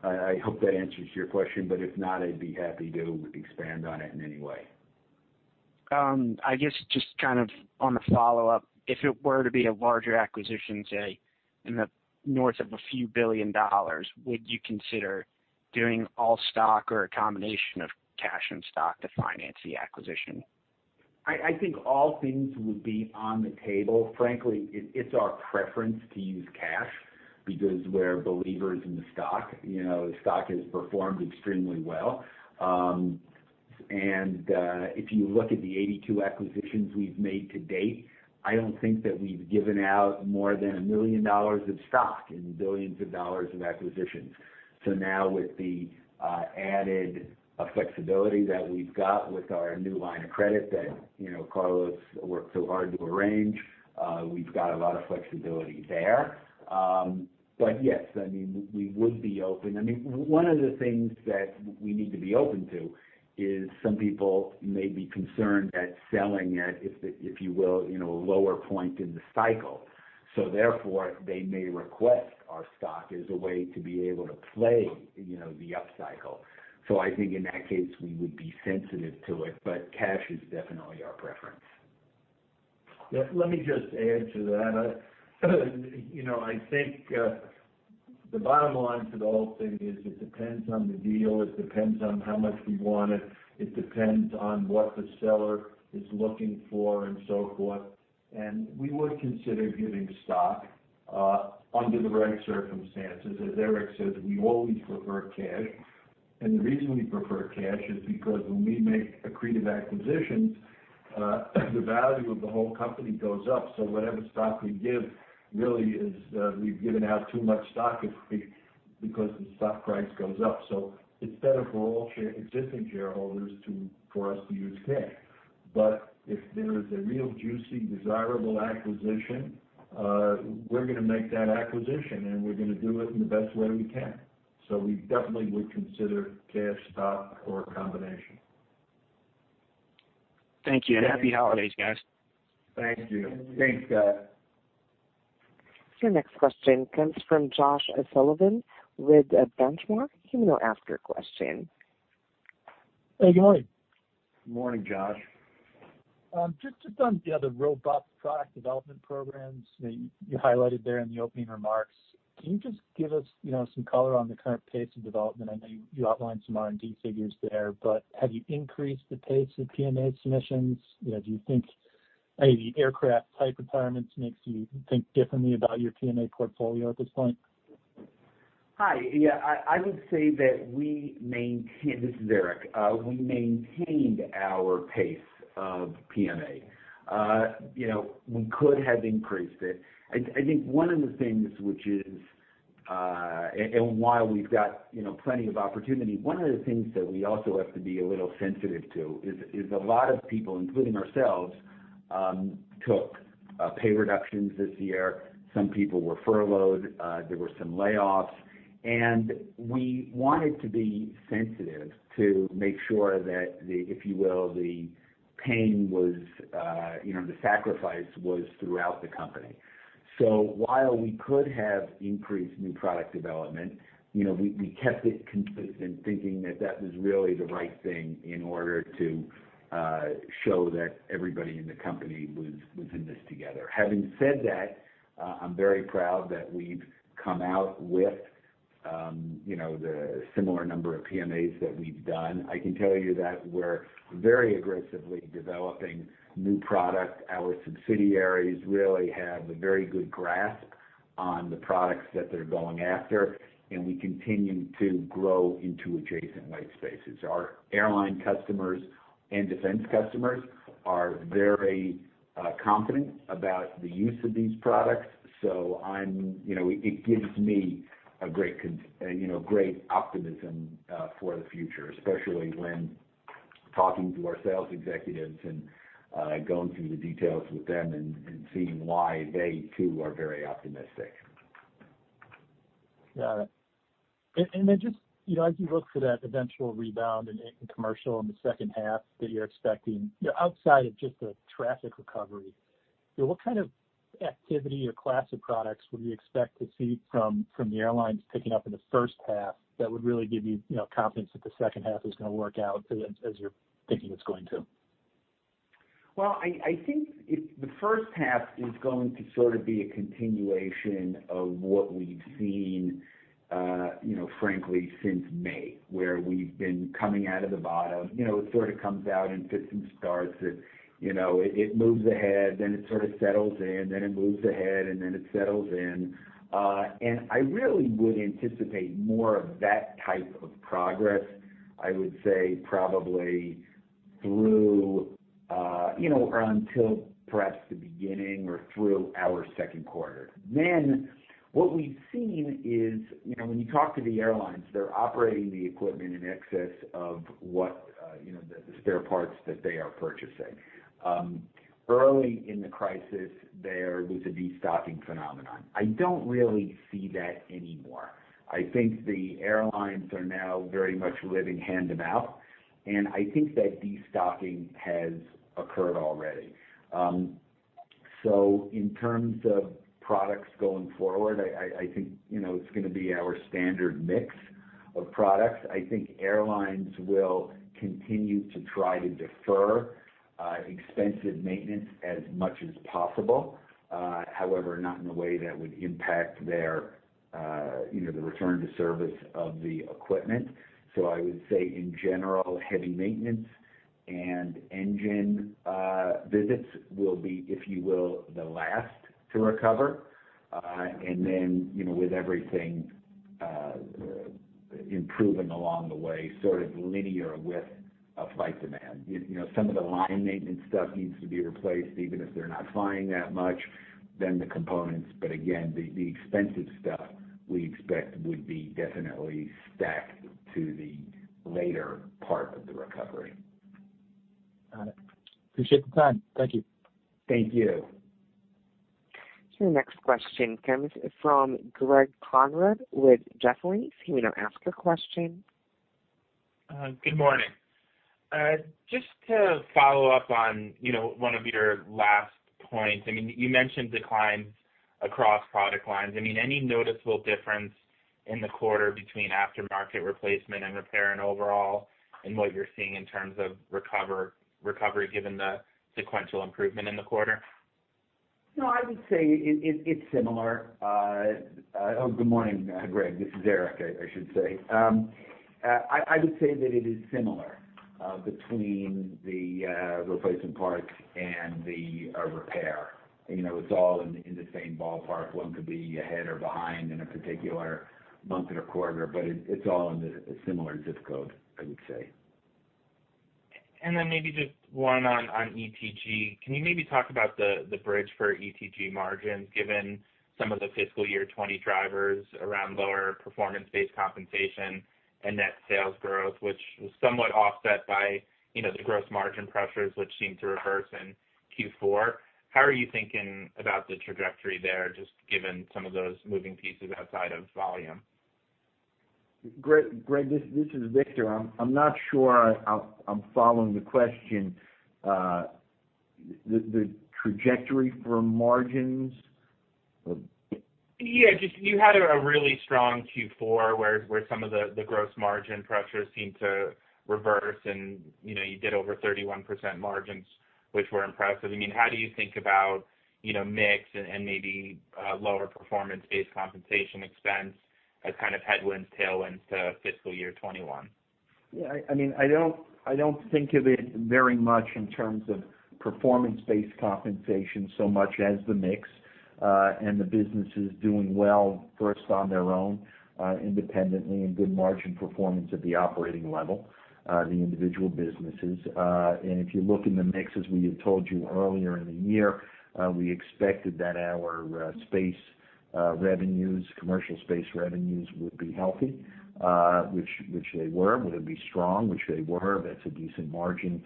I hope that answers your question, but if not, I'd be happy to expand on it in any way. I guess just kind of on the follow-up, if it were to be a larger acquisition, say, in the north of a few billion dollars, would you consider doing all stock or a combination of cash and stock to finance the acquisition? I think all things would be on the table. Frankly, it's our preference to use cash because we're believers in the stock. The stock has performed extremely well. If you look at the 82 acquisitions we've made to date, I don't think that we've given out more than $1 million of stock in billions of dollars of acquisitions. Now with the added flexibility that we've got with our new line of credit that Carlos worked so hard to arrange, we've got a lot of flexibility there. Yes, we would be open. One of the things that we need to be open to is some people may be concerned at selling at, if you will, a lower point in the cycle. Therefore, they may request our stock as a way to be able to play the upcycle. I think in that case, we would be sensitive to it, but cash is definitely our preference. Let me just add to that. I think the bottom line to the whole thing is it depends on the deal, it depends on how much we want it. It depends on what the seller is looking for and so forth. We would consider giving stock under the right circumstances. As Eric said, we always prefer cash. The reason we prefer cash is because when we make accretive acquisitions, the value of the whole company goes up. Whatever stock we give, we've given out too much stock because the stock price goes up. It's better for all existing shareholders for us to use cash. If there is a real juicy, desirable acquisition, we're going to make that acquisition, and we're going to do it in the best way we can. We definitely would consider cash, stock or a combination. Thank you. Happy Holidays, guys. Thank you. Thanks, Scott. Your next question comes from Josh Sullivan with Benchmark. You may now ask your question. How are you going? Morning, Josh. Just on the other robust product development programs that you highlighted there in the opening remarks, can you just give us some color on the current pace of development? I know you outlined some R&D figures there, but have you increased the pace of PMA submissions? Do you think any aircraft type requirements makes you think differently about your PMA portfolio at this point? Hi. Yeah, I would say that we maintained our pace of PMA. We could have increased it. I think one of the things which is, and while we've got plenty of opportunity, one of the things that we also have to be a little sensitive to is a lot of people, including ourselves, took pay reductions this year. Some people were furloughed. There were some layoffs. We wanted to be sensitive to make sure that the, if you will, the pain was, the sacrifice was throughout the company. While we could have increased new product development, we kept it consistent, thinking that that was really the right thing in order to show that everybody in the company was in this together. Having said that, I'm very proud that we've come out with the similar number of PMAs that we've done. I can tell you that we're very aggressively developing new product. Our subsidiaries really have a very good grasp on the products that they're going after, and we continue to grow into adjacent white spaces. Our airline customers and defense customers are very confident about the use of these products. It gives me a great optimism for the future, especially when talking to our sales executives and going through the details with them and seeing why they, too, are very optimistic. Got it. Just as you look for that eventual rebound in commercial in the second half that you're expecting, outside of just a traffic recovery, what kind of activity or class of products would you expect to see from the airlines picking up in the first half that would really give you confidence that the second half is going to work out as you're thinking it's going to? Well, I think the first half is going to sort of be a continuation of what we've seen, frankly, since May, where we've been coming out of the bottom. It sort of comes out in fits and starts, and it moves ahead, then it sort of settles in, then it moves ahead, and then it settles in. I really would anticipate more of that type of progress, I would say probably through, or until perhaps the beginning or through our second quarter. What we've seen is when you talk to the airlines, they're operating the equipment in excess of what the spare parts that they are purchasing. Early in the crisis, there was a destocking phenomenon. I don't really see that anymore. I think the airlines are now very much living hand-to-mouth, I think that destocking has occurred already. In terms of products going forward, I think it's going to be our standard mix of products. I think airlines will continue to try to defer expensive maintenance as much as possible. However, not in a way that would impact their return to service of the equipment. I would say in general, heavy maintenance and engine visits will be, if you will, the last to recover. Then, with everything improving along the way, sort of linear with a flight demand. Some of the line maintenance stuff needs to be replaced, even if they're not flying that much, then the components. Again, the expensive stuff we expect would be definitely stacked to the later part of the recovery. Got it. Appreciate the time. Thank you. Thank you. The next question comes from Greg Konrad with Jefferies. You may now ask your question. Good morning. Just to follow up on one of your last points. You mentioned declines across product lines. Any noticeable difference in the quarter between aftermarket replacement and repair and overall, and what you're seeing in terms of recovery given the sequential improvement in the quarter? No, I would say it's similar. Good morning, Greg. This is Eric, I should say. I would say that it is similar between the replacement parts and the repair. It's all in the same ballpark. One could be ahead or behind in a particular month or quarter, but it's all in the similar zip code, I would say. Maybe just one on ETG. Can you maybe talk about the bridge for ETG margins, given some of the fiscal year 2020 drivers around lower performance-based compensation and net sales growth, which was somewhat offset by the gross margin pressures which seemed to reverse in Q4? How are you thinking about the trajectory there, just given some of those moving pieces outside of volume? Greg, this is Victor. I'm not sure I'm following the question. The trajectory for margins? Yeah. You had a really strong Q4, where some of the gross margin pressures seemed to reverse and you did over 31% margins, which were impressive. How do you think about mix and maybe lower performance-based compensation expense as kind of headwinds, tailwinds to fiscal year 2021? Yeah. I don't think of it very much in terms of performance-based compensation so much as the mix, and the businesses doing well first on their own independently, and good margin performance at the operating level, the individual businesses. If you look in the mix, as we had told you earlier in the year, we expected that our commercial space revenues would be healthy, which they were, would be strong, which they were. That's a decent margin.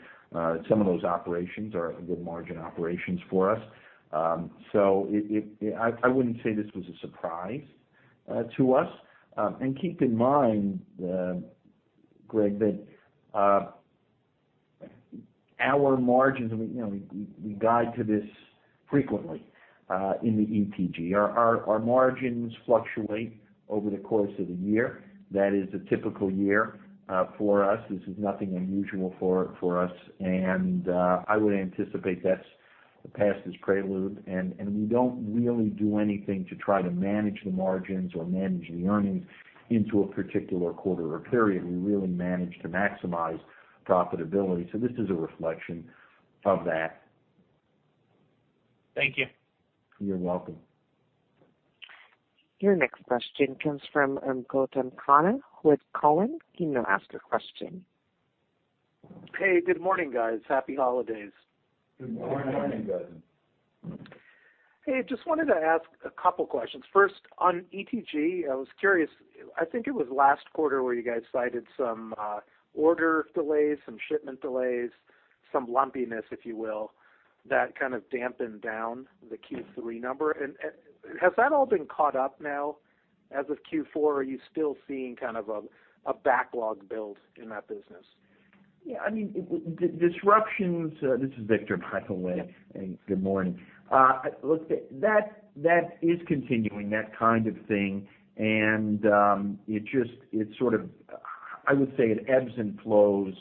Some of those operations are good margin operations for us. I wouldn't say this was a surprise to us. Keep in mind, Greg, that our margins, we guide to this frequently in the ETG. Our margins fluctuate over the course of the year. That is a typical year for us. This is nothing unusual for us. I would anticipate that the past is prelude. We don't really do anything to try to manage the margins or manage the earnings into a particular quarter or period. We really manage to maximize profitability. This is a reflection of that. Thank you. You're welcome. Your next question comes from Gautam Khanna with Cowen. You may ask a question. Hey, good morning, guys. Happy holidays. Good morning. Good morning. Hey, just wanted to ask a couple questions. First, on ETG, I was curious. I think it was last quarter where you guys cited some order delays, some shipment delays, some lumpiness, if you will, that kind of dampened down the Q3 number. Has that all been caught up now as of Q4? Are you still seeing kind of a backlog build in that business? Yeah. This is Victor, by the way. Yep. Good morning. That is continuing, that kind of thing, and it sort of, I would say it ebbs and flows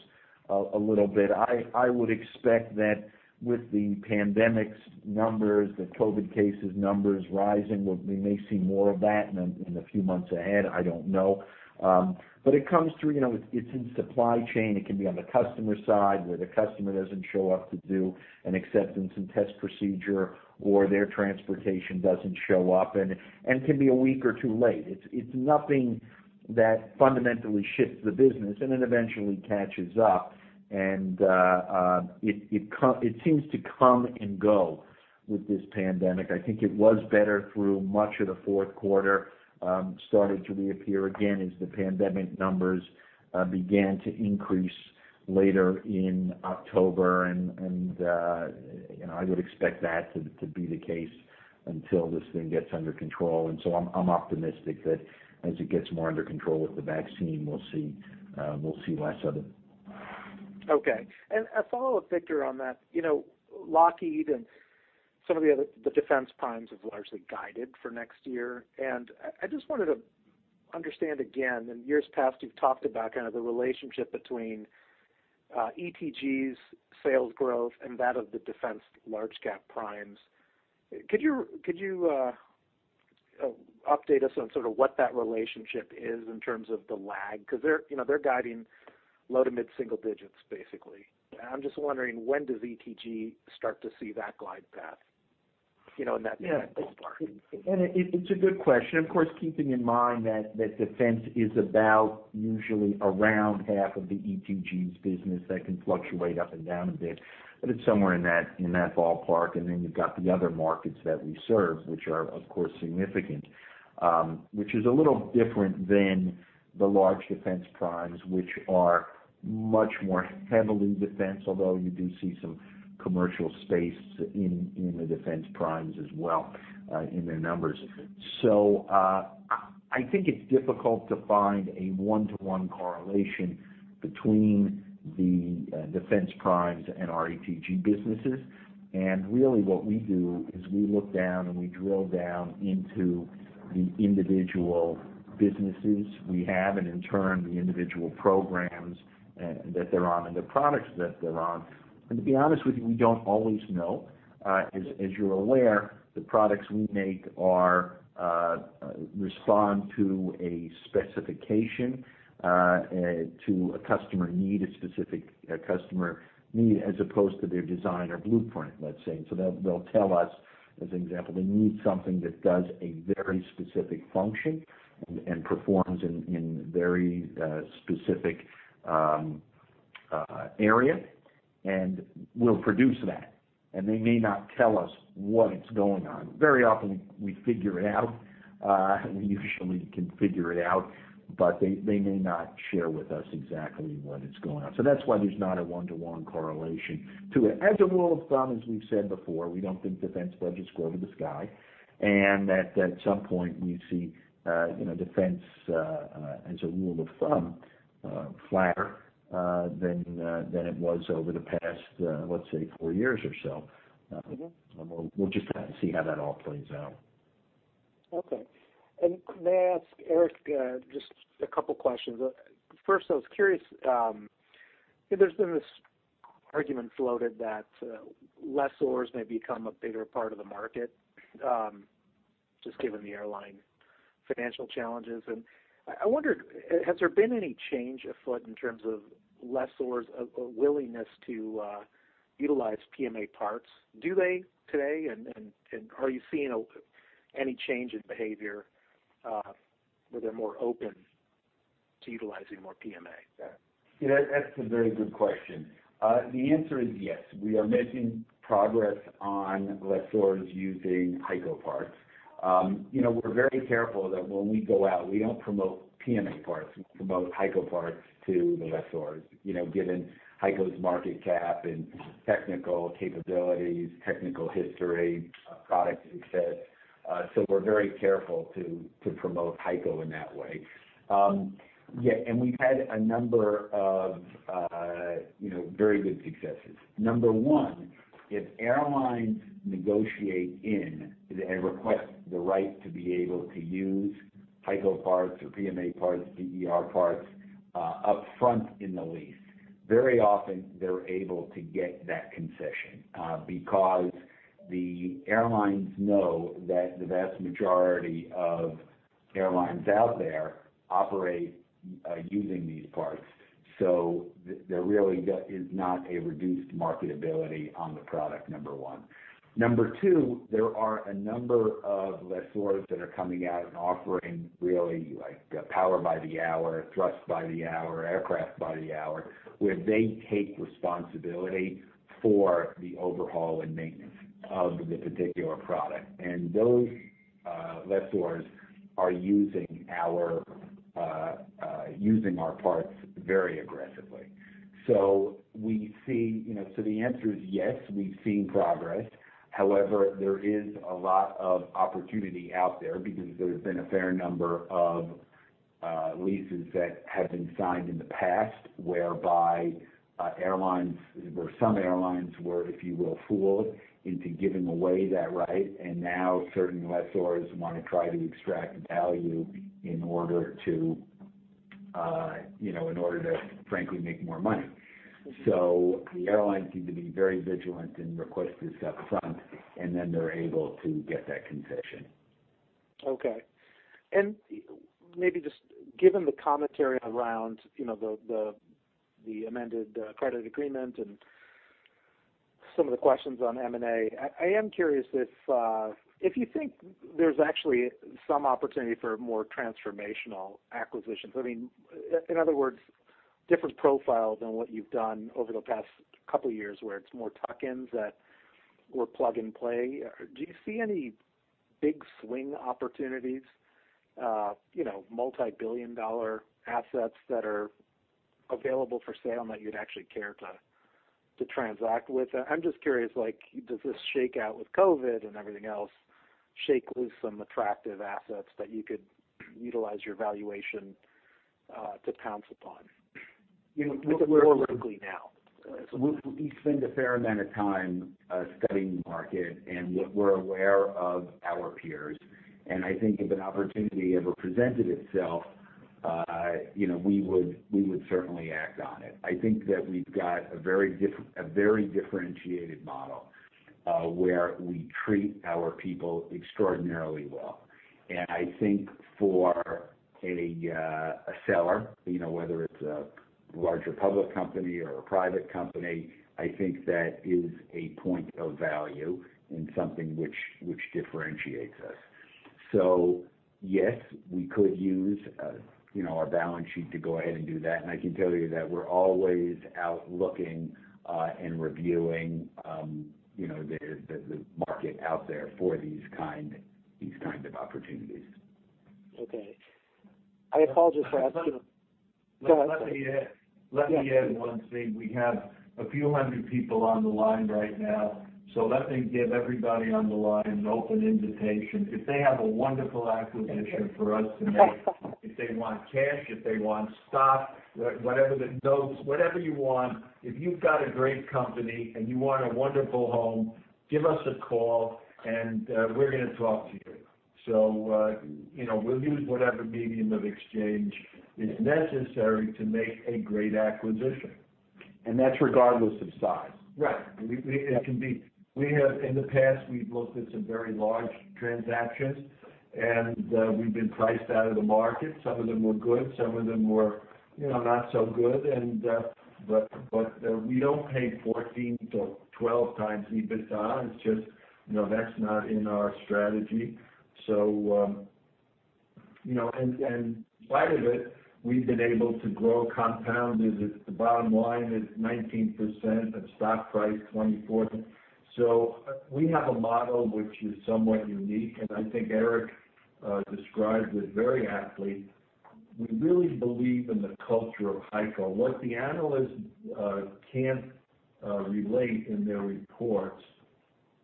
a little bit. I would expect that with the pandemic's numbers, the COVID cases numbers rising, we may see more of that in the few months ahead. I don't know. It comes through, it's in supply chain. It can be on the customer side, where the customer doesn't show up to do an acceptance and test procedure, or their transportation doesn't show up, and can be a week or two late. It's nothing that fundamentally shifts the business, and it eventually catches up. It seems to come and go with this pandemic. I think it was better through much of the fourth quarter. Started to reappear again as the pandemic numbers began to increase later in October, and I would expect that to be the case until this thing gets under control. I'm optimistic that as it gets more under control with the vaccine, we'll see less of it. Okay. A follow-up, Victor, on that. Lockheed and some of the other defense primes have largely guided for next year. I just wanted to understand again. In years past, you've talked about kind of the relationship between ETG's sales growth and that of the Defense large cap primes. Could you update us on sort of what that relationship is in terms of the lag? They're guiding low to mid-single digits, basically. I'm just wondering, when does ETG start to see that glide path in that ballpark? It's a good question. Of course, keeping in mind that Defense is about usually around half of the ETG's business. That can fluctuate up and down a bit, but it's somewhere in that ballpark. Then you've got the other markets that we serve, which are, of course, significant. Which is a little different than the large defense primes, which are much more heavily Defense, although you do see some commercial space in the defense primes as well, in their numbers. I think it's difficult to find a one-to-one correlation between the defense primes and our ETG businesses. Really what we do is we look down, and we drill down into the individual businesses we have, and in turn, the individual programs that they're on, and the products that they're on. To be honest with you, we don't always know. As you're aware, the products we make respond to a specification to a customer need as opposed to their design or blueprint, let's say. They'll tell us, as an example, they need something that does a very specific function and performs in very specific area, and will produce that. They may not tell us what is going on. Very often we figure it out, we usually can figure it out, but they may not share with us exactly what is going on. That's why there's not a one-to-one correlation to it. As a rule of thumb, as we've said before, we don't think defense budgets go to the sky, and that at some point you see defense, as a rule of thumb, flatter than it was over the past, let's say, four years or so. We'll just see how that all plays out. Okay. May I ask Eric just a couple questions? First, I was curious, there's been this argument floated that lessors may become a bigger part of the market, just given the airline financial challenges, and I wondered, has there been any change afoot in terms of lessors' willingness to utilize PMA parts? Do they today? Are you seeing any change in behavior where they're more open to utilizing more PMA? Yeah. That's a very good question. The answer is yes. We are making progress on lessors using HEICO parts. We're very careful that when we go out, we don't promote PMA parts, we promote HEICO parts to the lessors, given HEICO's market cap and technical capabilities, technical history, product success. We're very careful to promote HEICO in that way. Yeah, we've had a number of very good successes. Number one, if airlines negotiate in and request the right to be able to use HEICO parts or PMA parts, DER parts, up front in the lease, very often they're able to get that concession, because the airlines know that the vast majority of airlines out there operate using these parts. There really is not a reduced marketability on the product, number one. Number 2, there are a number of lessors that are coming out and offering really power by the hour, thrust by the hour, aircraft by the hour, where they take responsibility for the overhaul and maintenance of the particular product. Those lessors are using our parts very aggressively. The answer is yes, we've seen progress. However, there is a lot of opportunity out there because there's been a fair number of leases that have been signed in the past whereby airlines, where some airlines were, if you will, fooled into giving away that right. Now certain lessors want to try to extract value in order to frankly make more money. The airlines need to be very vigilant and request this up front, and then they're able to get that concession. Okay. Maybe just given the commentary around the amended credit agreement and some of the questions on M&A, I am curious if you think there's actually some opportunity for more transformational acquisitions. In other words, different profile than what you've done over the past couple of years, where it's more tuck-ins that were plug-and-play. Do you see any big swing opportunities, multi-billion dollar assets that are available for sale that you'd actually care to transact with? I'm just curious, does this shakeout with COVID and everything else shake loose some attractive assets that you could utilize your valuation to pounce upon? More locally now. We spend a fair amount of time studying the market and we're aware of our peers. I think if an opportunity ever presented itself, we would certainly act on it. I think that we've got a very differentiated model, where we treat our people extraordinarily well. I think for a seller, whether it's a larger public company or a private company, I think that is a point of value and something which differentiates us. Yes, we could use our balance sheet to go ahead and do that, and I can tell you that we're always out looking and reviewing the market out there for these kinds of opportunities. Okay. I apologize for asking. Go ahead. Let me add one thing. We have a few hundred people on the line right now, let me give everybody on the line an open invitation. If they have a wonderful acquisition for us to make, if they want cash, if they want stock, notes, whatever you want. If you've got a great company and you want a wonderful home, give us a call and we're going to talk to you. We'll use whatever medium of exchange is necessary to make a great acquisition. That's regardless of size. Right. In the past, we've looked at some very large transactions and we've been priced out of the market. Some of them were good, some of them were not so good. We don't pay 14x to 12x EBITDA. That's not in our strategy. In spite of it, we've been able to grow compound. The bottom line is 19%, and stock price 24. We have a model which is somewhat unique, and I think Eric described it very aptly. We really believe in the culture of HEICO. What the analysts can't relate in their reports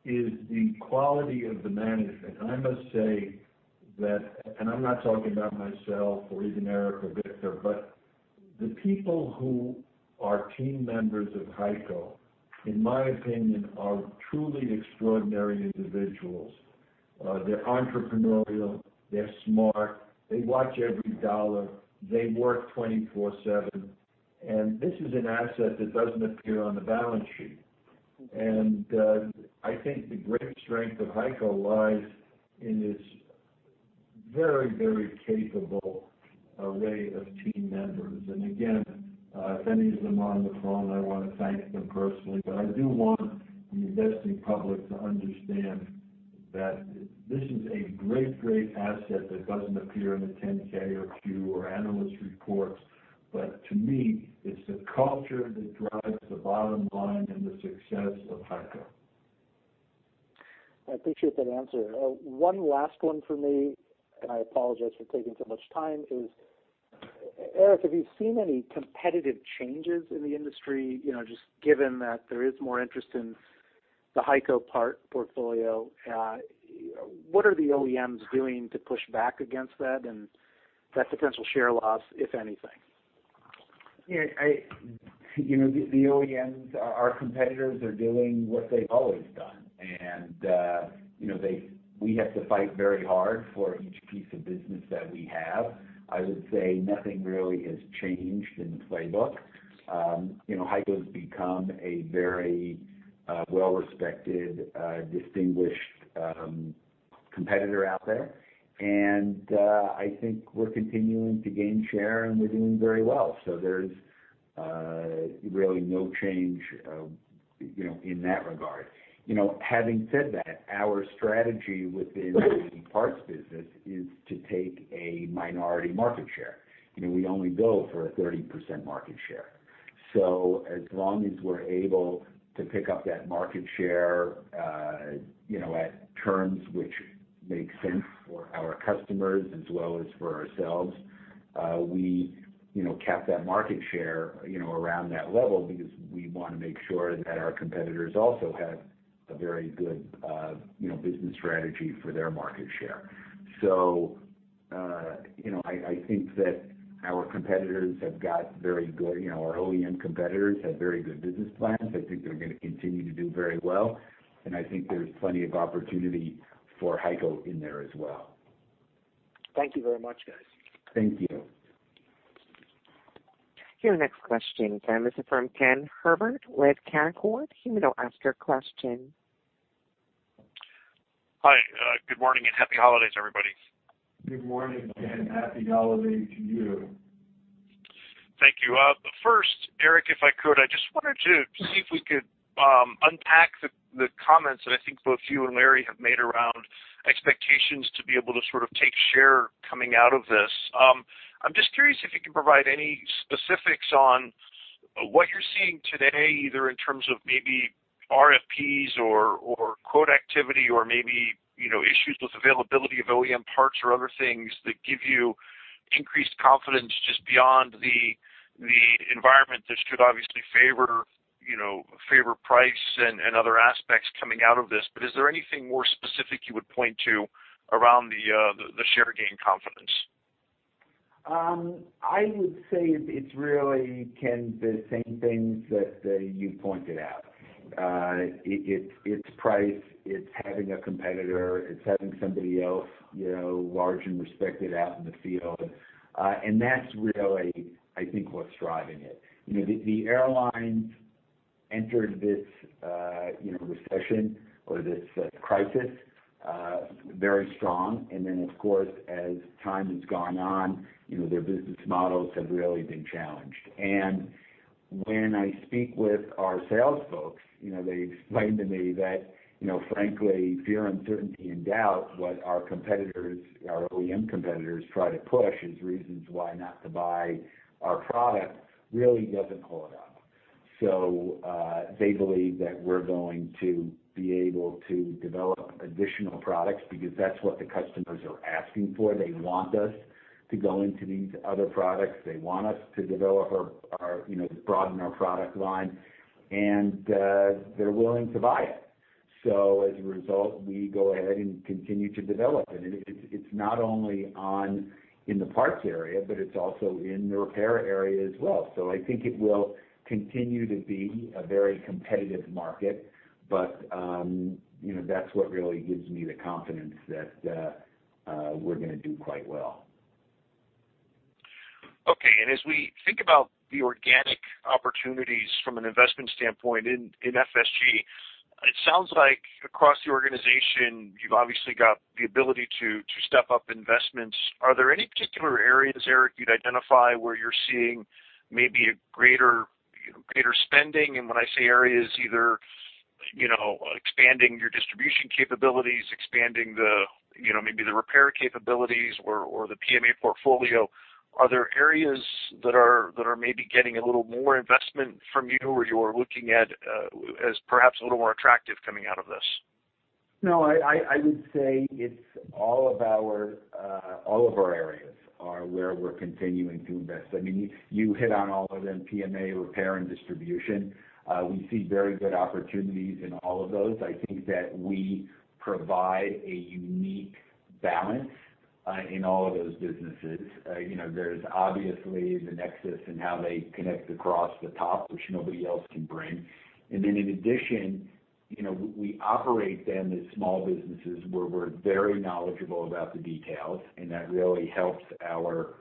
is the quality of the management. I must say that, and I'm not talking about myself or even Eric or Victor, but the people who are team members of HEICO, in my opinion, are truly extraordinary individuals. They're entrepreneurial, they're smart, they watch every dollar, they work 24/7, and this is an asset that doesn't appear on the balance sheet. I think the great strength of HEICO lies in its very capable array of team members. Again, if any of them are on the phone, I want to thank them personally. I do want the investing public to understand that this is a great asset that doesn't appear in the 10-K or Q or analyst reports. To me, it's the culture that drives the bottom line and the success of HEICO. I appreciate that answer. One last one from me, and I apologize for taking so much time, is, Eric, have you seen any competitive changes in the industry? Just given that there is more interest in the HEICO portfolio. What are the OEMs doing to push back against that and that potential share loss, if anything? The OEMs, our competitors, are doing what they've always done. We have to fight very hard for each piece of business that we have. I would say nothing really has changed in the playbook. HEICO's become a very well-respected, distinguished competitor out there. I think we're continuing to gain share, and we're doing very well. There's really no change in that regard. Having said that, our strategy within the parts business is to take a minority market share. We only go for a 30% market share. As long as we're able to pick up that market share at terms which make sense for our customers as well as for ourselves, we cap that market share around that level because we want to make sure that our competitors also have a very good business strategy for their market share. I think that our OEM competitors have very good business plans. I think they're going to continue to do very well, and I think there's plenty of opportunity for HEICO in there as well. Thank you very much, guys. Thank you. Your next question comes from Ken Herbert with Canaccord. You may now ask your question. Hi, good morning and happy holidays, everybody. Good morning, Ken, and happy holidays to you. Thank you. First, Eric, if I could, I just wanted to see if we could unpack the comments that I think both you and Larry have made around expectations to be able to sort of take share coming out of this. I'm just curious if you can provide any specifics on what you're seeing today, either in terms of maybe RFPs or quote activity or maybe issues with availability of OEM parts or other things that give you increased confidence just beyond the environment that should obviously favor price and other aspects coming out of this. Is there anything more specific you would point to around the share gain confidence? I would say it's really, Ken, the same things that you pointed out. It's price, it's having a competitor, it's having somebody else large and respected out in the field. That's really, I think, what's driving it. The airlines entered this recession or this crisis very strong. Of course, as time has gone on, their business models have really been challenged. When I speak with our sales folks, they explain to me that frankly, fear, uncertainty and doubt, what our OEM competitors try to push as reasons why not to buy our product really doesn't hold up. They believe that we're going to be able to develop additional products because that's what the customers are asking for. They want us to go into these other products. They want us to broaden our product line, and they're willing to buy it. As a result, we go ahead and continue to develop. It's not only in the parts area, but it's also in the repair area as well. I think it will continue to be a very competitive market, but that's what really gives me the confidence that we're going to do quite well. Okay. As we think about the organic opportunities from an investment standpoint in FSG, it sounds like across the organization, you've obviously got the ability to step up investments. Are there any particular areas, Eric, you'd identify where you're seeing maybe a greater spending, and when I say areas, either expanding your distribution capabilities, expanding maybe the repair capabilities or the PMA portfolio. Are there areas that are maybe getting a little more investment from you, or you're looking at as perhaps a little more attractive coming out of this? No, I would say it's all of our areas are where we're continuing to invest. You hit on all of them, PMA, repair, and distribution. We see very good opportunities in all of those. I think that we provide a unique balance in all of those businesses. There's obviously the nexus and how they connect across the top, which nobody else can bring. In addition, we operate them as small businesses where we're very knowledgeable about the details, and that really helps our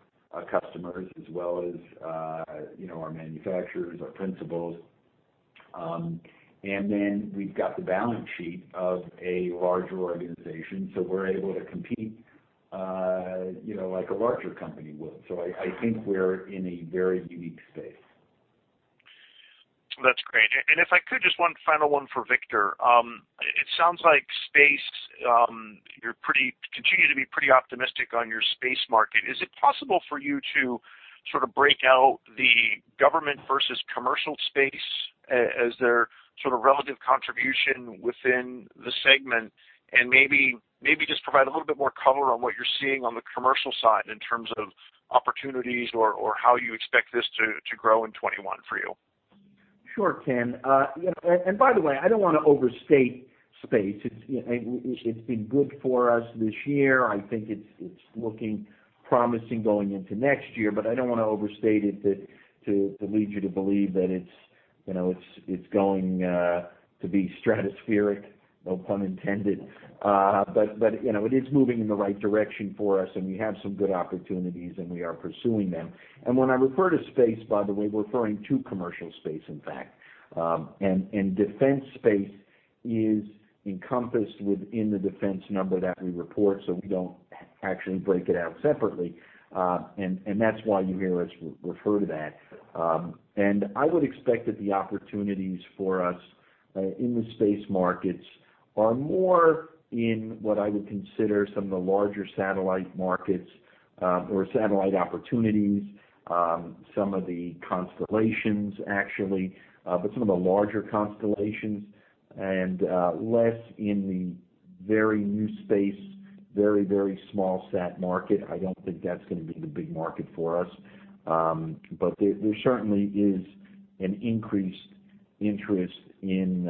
customers as well as our manufacturers, our principals. I think we're in a very unique space. That's great. If I could, just one final one for Victor. It sounds like you continue to be pretty optimistic on your space market. Is it possible for you to sort of break out the government versus commercial space as their sort of relative contribution within the segment? Maybe just provide a little bit more color on what you're seeing on the commercial side in terms of opportunities or how you expect this to grow in 2021 for you. Sure, Ken. By the way, I don't want to overstate space. It's been good for us this year. I think it's looking promising going into next year, I don't want to overstate it to lead you to believe that it's going to be stratospheric, no pun intended. It is moving in the right direction for us, we have some good opportunities, and we are pursuing them. When I refer to space, by the way, we're referring to commercial space, in fact. Defense space is encompassed within the defense number that we report, we don't actually break it out separately. That's why you hear us refer to that. I would expect that the opportunities for us in the space markets are more in what I would consider some of the larger satellite markets, or satellite opportunities. Some of the constellations, actually. Some of the larger constellations, and less in the very new space, very small sat market. I don't think that's going to be the big market for us. There certainly is an increased interest in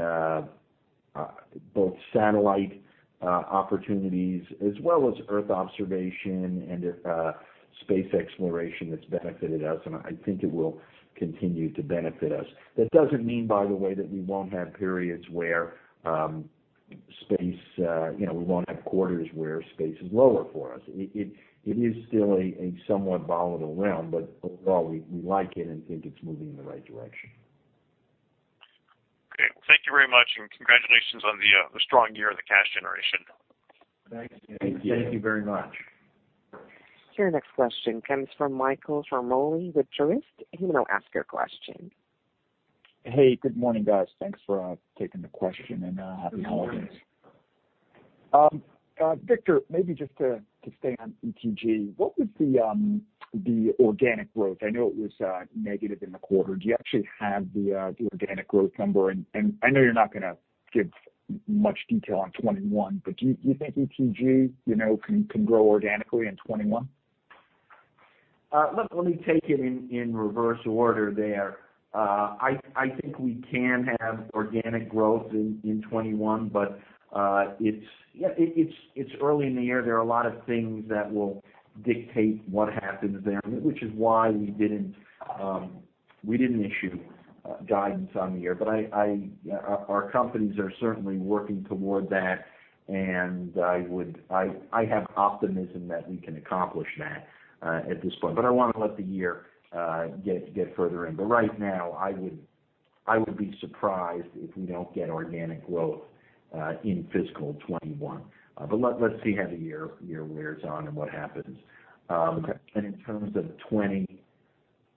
both satellite opportunities as well as earth observation and space exploration that's benefited us, and I think it will continue to benefit us. That doesn't mean, by the way, that we won't have quarters where space is lower for us. It is still a somewhat volatile realm, but overall, we like it and think it's moving in the right direction. Okay. Well, thank you very much, and congratulations on the strong year and the cash generation. Thanks. Thank you very much. Your next question comes from Michael Ciarmoli with Truist. You may now ask your question. Good morning, guys. Thanks for taking the question and happy holidays. Victor, maybe just to stay on ETG, what was the organic growth? I know it was negative in the quarter. Do you actually have the organic growth number? I know you're not going to give much detail on 2021, but do you think ETG can grow organically in 2021? Let me take it in reverse order there. I think we can have organic growth in 2021, but it's early in the year. There are a lot of things that will dictate what happens there, which is why we didn't issue guidance on the year. Our companies are certainly working toward that, and I have optimism that we can accomplish that at this point. I want to let the year get further in. Right now, I would be surprised if we don't get organic growth in fiscal 2021. Let's see how the year wears on and what happens. Okay. In terms of 2020,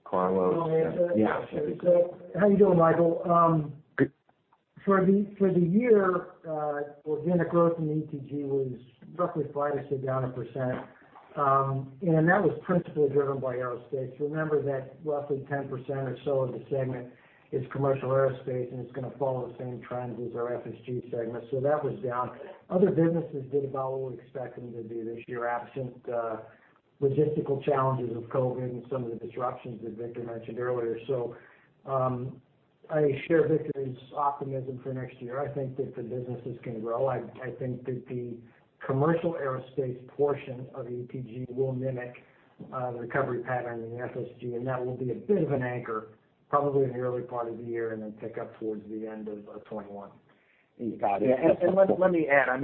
Carlos? How are you doing, Michael? Good. For the year, organic growth in ETG was roughly 5%-7% and that was principally driven by aerospace. Remember that roughly 10% or so of the segment is commercial aerospace, and it's going to follow the same trends as our FSG segment. That was down. Other businesses did about what we expected them to do this year, absent logistical challenges of COVID and some of the disruptions that Victor mentioned earlier. I share Victor's optimism for next year. I think that the businesses can grow. I think that the commercial aerospace portion of ETG will mimic the recovery pattern in FSG, and that will be a bit of an anchor, probably in the early part of the year, and then pick up towards the end of 2021. Got it. Let me add, I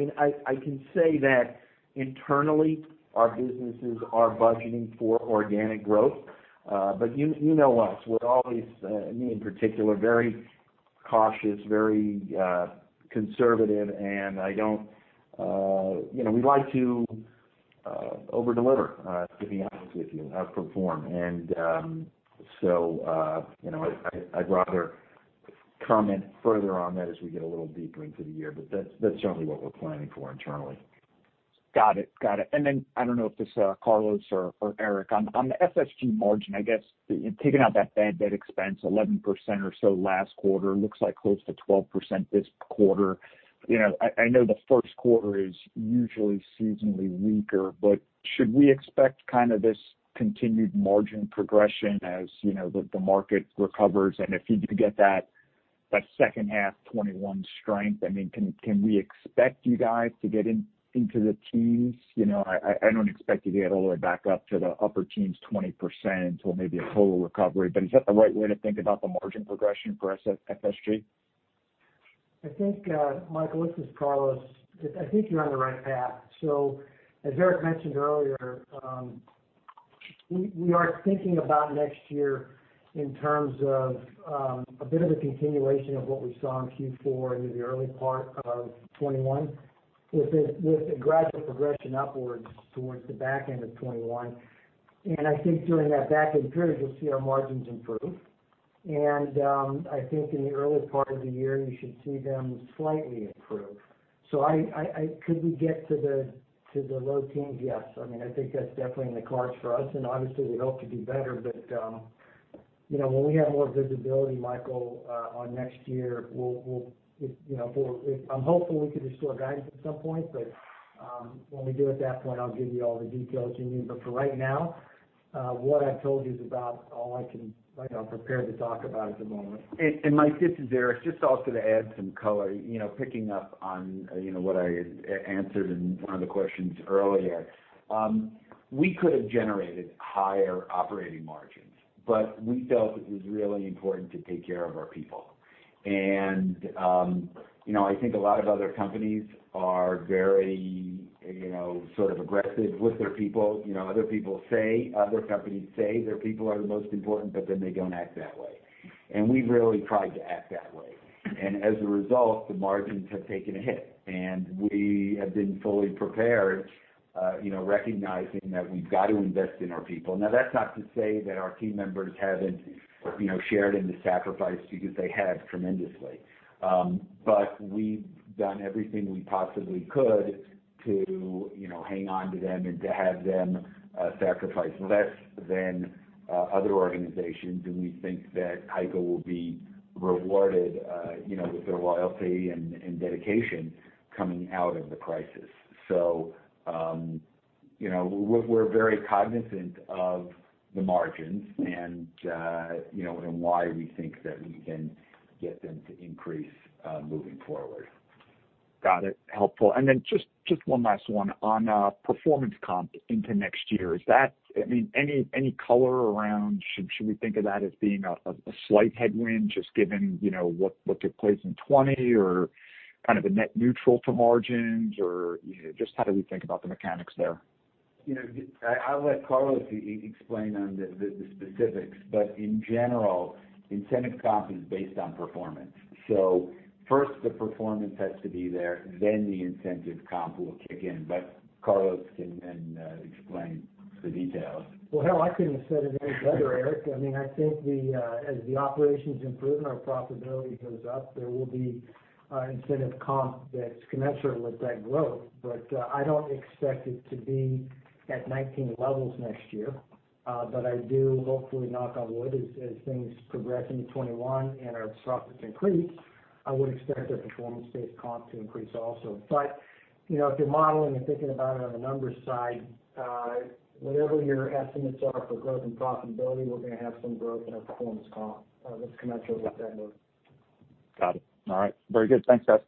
can say that internally, our businesses are budgeting for organic growth. You know us, we're always, me in particular, very cautious, very conservative, and we like to over-deliver, to be honest with you, outperform. I'd rather comment further on that as we get a little deeper into the year, but that's certainly what we're planning for internally. Got it. I don't know if this, Carlos or Eric, on the FSG margin, I guess, taking out that bad debt expense, 11% or so last quarter, looks like close to 12% this quarter. I know the first quarter is usually seasonally weaker, should we expect this continued margin progression as the market recovers? If you could get that second half 2021 strength, can we expect you guys to get into the teens? I don't expect you to get all the way back up to the upper teens 20% until maybe a total recovery, is that the right way to think about the margin progression for FSG? I think, Michael, this is Carlos. I think you're on the right path. As Eric mentioned earlier, we are thinking about next year in terms of a bit of a continuation of what we saw in Q4 into the early part of 2021, with a gradual progression upwards towards the back end of 2021. I think during that back end period, you'll see our margins improve. I think in the early part of the year, you should see them slightly improve. Could we get to the low teens? Yes. I think that's definitely in the cards for us, and obviously we hope to do better, but when we have more visibility, Michael, on next year, I'm hopeful we can restore guidance at some point. When we do, at that point, I'll give you all the details you need. For right now, what I've told you is about all I'm prepared to talk about at the moment. Mike, this is Eric. Just also to add some color, picking up on what I had answered in one of the questions earlier. We could have generated higher operating margins, but we felt it was really important to take care of our people. I think a lot of other companies are very aggressive with their people. Other companies say their people are the most important, but then they don't act that way. We've really tried to act that way. As a result, the margins have taken a hit, and we have been fully prepared, recognizing that we've got to invest in our people. Now, that's not to say that our team members haven't shared in the sacrifice, because they have tremendously. We've done everything we possibly could to hang on to them and to have them sacrifice less than other organizations. We think that HEICO will be rewarded with their loyalty and dedication coming out of the crisis. We're very cognizant of the margins and why we think that we can get them to increase moving forward. Got it. Helpful. Then just one last one. On performance comp into next year, any color around should we think of that as being a slight headwind, just given what took place in 2020 or kind of a net neutral to margins? Just how do we think about the mechanics there? I'll let Carlos explain on the specifics, but in general, incentive comp is based on performance. First the performance has to be there, then the incentive comp will kick in. Carlos can then explain the details. Well, hell, I couldn't have said it any better, Eric. I think as the operation's improving, our profitability goes up. There will be incentive comp that's commensurate with that growth. I don't expect it to be at 2019 levels next year. I do, hopefully, knock on wood, as things progress into 2021 and our throughputs increase, I would expect the performance-based comp to increase also. If you're modeling and thinking about it on the numbers side, whatever your estimates are for growth and profitability, we're going to have some growth in our performance comp that's commensurate with that growth. Got it. All right. Very good. Thanks, guys.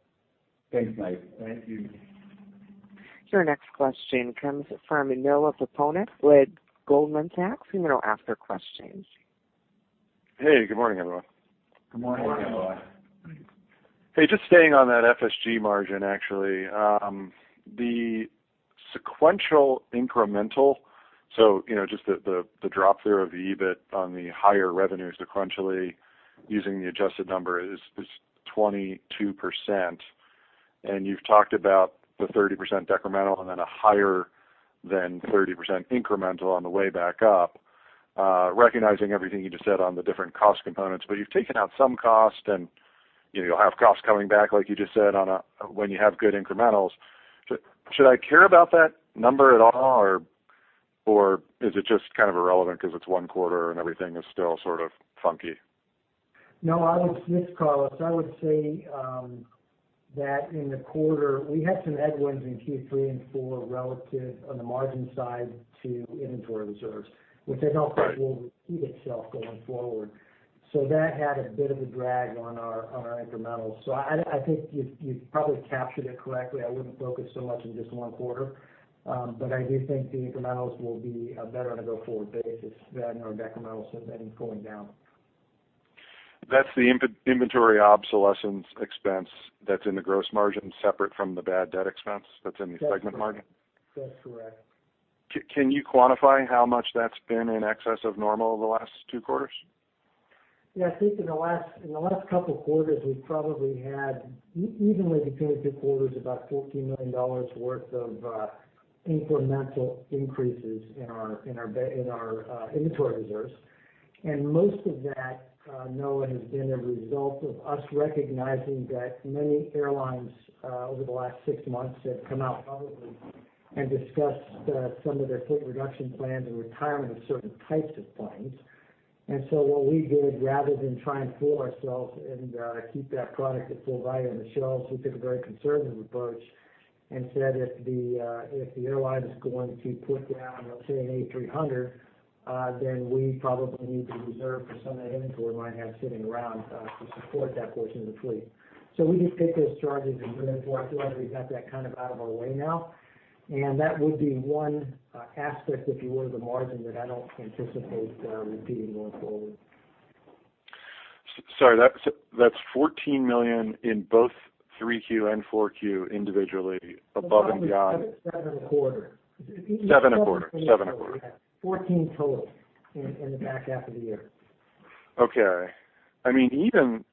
Thanks, Mike. Thank you. Your next question comes from Noah Poponak with Goldman Sachs. You may now ask your questions. Hey, good morning, everyone. Good morning. Good morning. Hey, just staying on that FSG margin, actually. The sequential incremental, so just the drop there of the EBIT on the higher revenues sequentially using the adjusted number is 22%. You've talked about the 30% decremental and then a higher than 30% incremental on the way back up, recognizing everything you just said on the different cost components. You've taken out some cost and you'll have costs coming back, like you just said, when you have good incrementals. Should I care about that number at all, or is it just kind of irrelevant because it's one quarter and everything is still sort of funky? No, this is Carlos. I would say that in the quarter, we had some headwinds in Q3 and Q4 relative on the margin side to inventory reserves, which I don't think will repeat itself going forward. That had a bit of a drag on our incrementals. I think you've probably captured it correctly. I wouldn't focus so much on just one quarter. I do think the incrementals will be better on a go-forward basis than our decremental, so that is going down. That's the inventory obsolescence expense that's in the gross margin, separate from the bad debt expense that's in the segment margin? That's correct. Can you quantify how much that's been in excess of normal over the last two quarters? I think in the last couple of quarters, we've probably had, evenly between the two quarters, about $14 million worth of incremental increases in our inventory reserves. Most of that, Noah, has been a result of us recognizing that many airlines over the last six months have come out publicly and discussed some of their fleet reduction plans and retirement of certain types of planes. What we did, rather than try and fool ourselves and keep that product at full value on the shelves, we took a very conservative approach and said, if the airline is going to put down, let's say, an A300, then we probably need to reserve for some of that inventory we might have sitting around to support that portion of the fleet. We just took those charges in advance. I feel like we've got that out of our way now, and that would be one aspect, if you would, of the margin that I don't anticipate repeating going forward. Sorry, that's $14 million in both 3Q and 4Q individually, above and beyond. $7.25 million. $7.25 million. $14 million total in the back half of the year. Okay. Even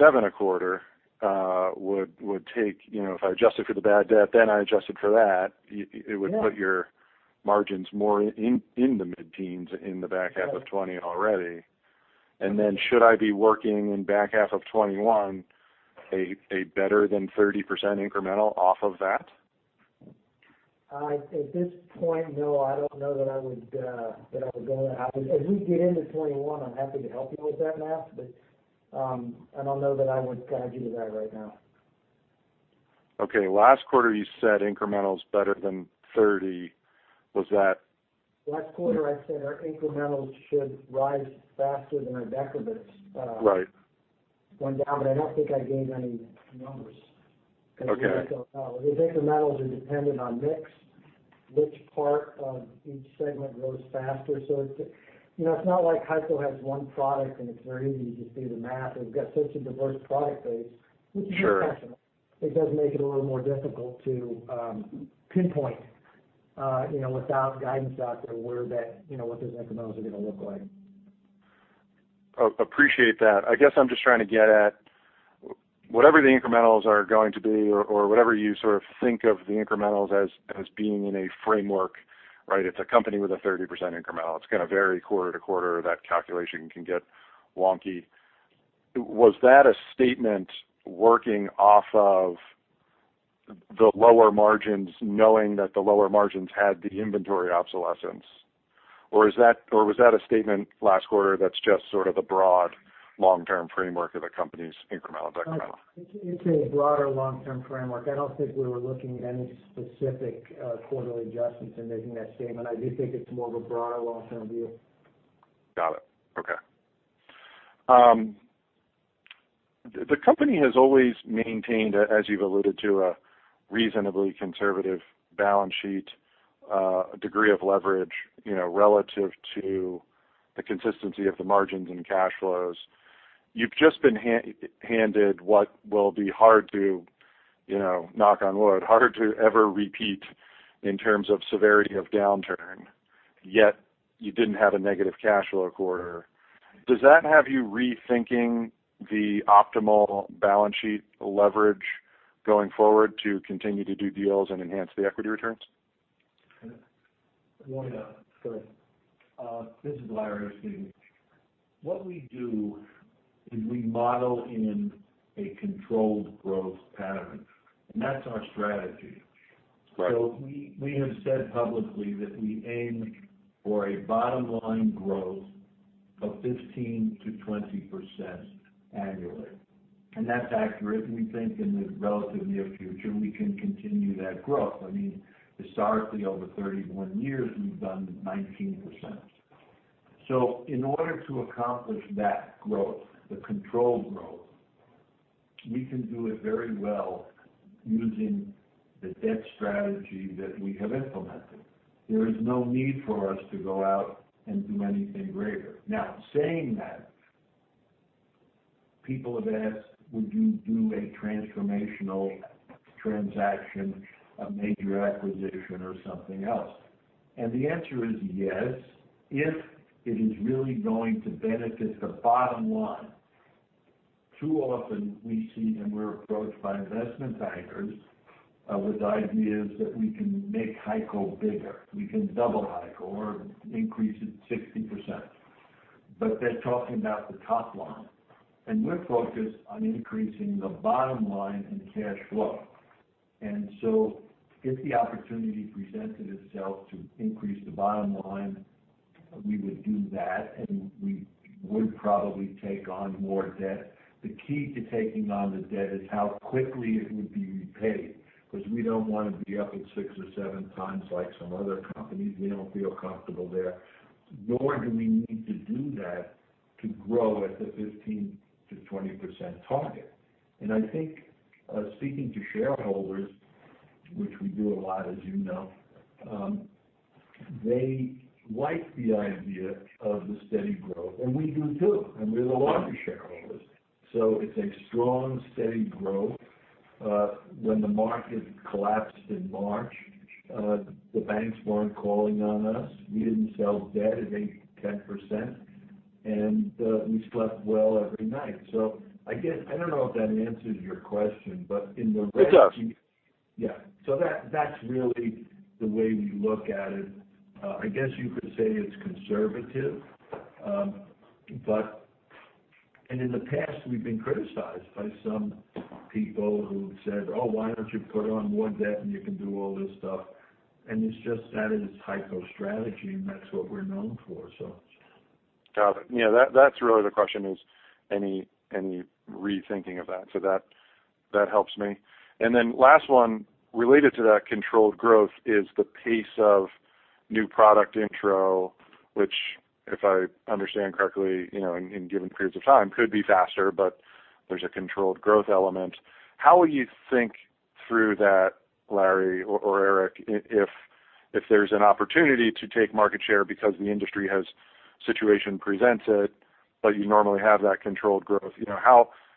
$7.25 million would take, if I adjusted for the bad debt, then I adjusted for that, it would put your margins more in the mid-teens in the back half of 2020 already. Should I be working in back half of 2021 a better than 30% incremental off of that? At this point, Noah, I don't know that I would go that high. As we get into 2021, I'm happy to help you with that math, but I don't know that I would guide you to that right now. Okay. Last quarter, you said incremental's better than 30%. Last quarter, I said our incrementals should rise faster than our decrements- Right. ...went down, but I don't think I gave any numbers. Okay. Incrementals are dependent on mix, which part of each segment grows faster. It's not like HEICO has one product and it's very easy to see the math. We've got such a diverse product base- Sure. ...which is a good question. It does make it a little more difficult to pinpoint without guidance out there where that, what those incrementals are going to look like. Appreciate that. I guess I'm just trying to get at whatever the incrementals are going to be or whatever you sort of think of the incrementals as being in a framework, right? It's a company with a 30% incremental. It's going to vary quarter to quarter. That calculation can get wonky. Was that a statement working off of the lower margins, knowing that the lower margins had the inventory obsolescence? Was that a statement last quarter that's just sort of a broad long-term framework of the company's incremental/decremental? It's a broader long-term framework. I don't think we were looking at any specific quarterly adjustments in making that statement. I do think it's more of a broader long-term view. Got it. Okay. The company has always maintained, as you've alluded to, a reasonably conservative balance sheet, a degree of leverage, relative to the consistency of the margins and cash flows. You've just been handed what will be hard to, knock on wood, hard to ever repeat in terms of severity of downturn, yet you didn't have a negative cash flow quarter. Does that have you rethinking the optimal balance sheet leverage going forward to continue to do deals and enhance the equity returns? This is Larry speaking. What we do is we model in a controlled growth pattern, and that's our strategy. Right. We have said publicly that we aim for a bottom-line growth of 15%-20% annually, and that's accurate. We think in the relative near future, we can continue that growth. I mean, historically, over 31 years, we've done 19%. In order to accomplish that growth, the controlled growth, we can do it very well using the debt strategy that we have implemented. There is no need for us to go out and do anything greater. Now, saying that, people have asked, "Would you do a transformational transaction, a major acquisition or something else?" The answer is yes, if it is really going to benefit the bottom line. Too often, we see and we're approached by investment bankers with ideas that we can make HEICO bigger, we can double HEICO or increase it 60%. They're talking about the top line. We're focused on increasing the bottom line and cash flow. If the opportunity presented itself to increase the bottom line, we would do that, and we would probably take on more debt. The key to taking on the debt is how quickly it would be repaid, because we don't want to be up at six or seven times like some other companies. We don't feel comfortable there, nor do we need to do that to grow at the 15%-20% target. I think speaking to shareholders, which we do a lot, as you know, they like the idea of the steady growth, and we do too, and we're the largest shareholders. It's a strong, steady growth. When the market collapsed in March, the banks weren't calling on us. We didn't sell debt at 8%, 10%, and we slept well every night. I don't know if that answers your question, but in the- It does. Yeah. That's really the way we look at it. I guess you could say it's conservative. In the past, we've been criticized by some people who've said, "Oh, why don't you put on more debt and you can do all this stuff?" It's just that is HEICO strategy, and that's what we're known for. Got it. Yeah, that's really the question, is any rethinking of that. That helps me. Then last one, related to that controlled growth is the pace of new product intro, which, if I understand correctly, in given periods of time could be faster, but there's a controlled growth element. How will you think through that, Larry or Eric, if there's an opportunity to take market share because the industry has situation presented, but you normally have that controlled growth?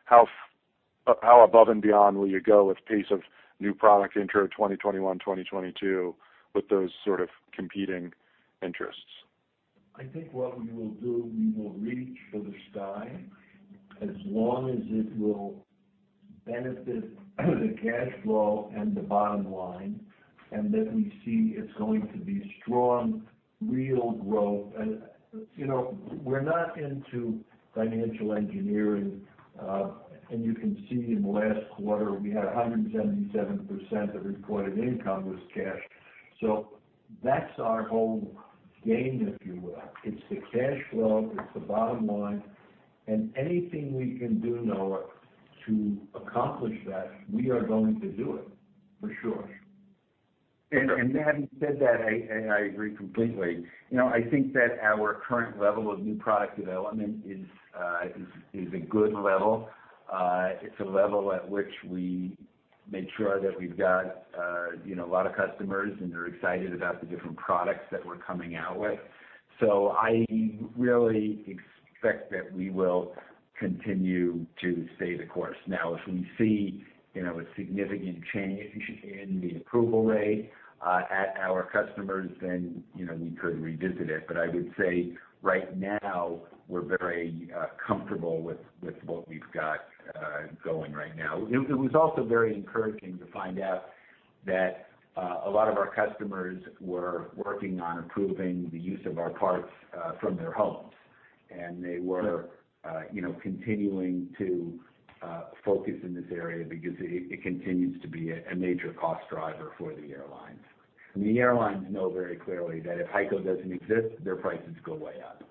How above and beyond will you go with pace of new product intro 2021, 2022 with those sort of competing interests? I think what we will do, we will reach for the sky as long as it will benefit the cash flow and the bottom line, and that we see it's going to be strong, real growth. We're not into financial engineering, and you can see in the last quarter, we had 177% of reported income was cash. That's our whole game, if you will. It's the cash flow, it's the bottom line. Anything we can do, Noah, to accomplish that, we are going to do it, for sure. Having said that, and I agree completely. I think that our current level of new product development is a good level. It's a level at which we made sure that we've got a lot of customers, and they're excited about the different products that we're coming out with. I really expect that we will continue to stay the course. If we see a significant change in the approval rate at our customers, then we could revisit it. I would say right now we're very comfortable with what we've got going right now. It was also very encouraging to find out that a lot of our customers were working on improving the use of our parts from their homes, and they were continuing to focus in this area because it continues to be a major cost driver for the airlines. The airlines know very clearly that if HEICO doesn't exist, their prices go way up.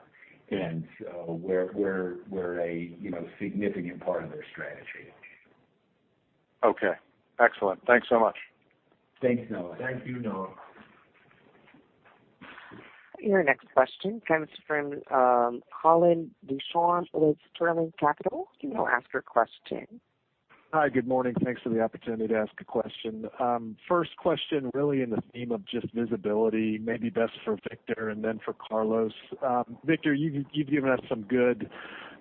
We're a significant part of their strategy. Okay. Excellent. Thanks so much. Thanks, Noah. Thank you, Noah. Your next question comes from Colin Ducharme with Sterling Capital. You may ask your question. Hi. Good morning. Thanks for the opportunity to ask a question. First question really in the theme of just visibility, maybe best for Victor and then for Carlos. Victor, you've given us some good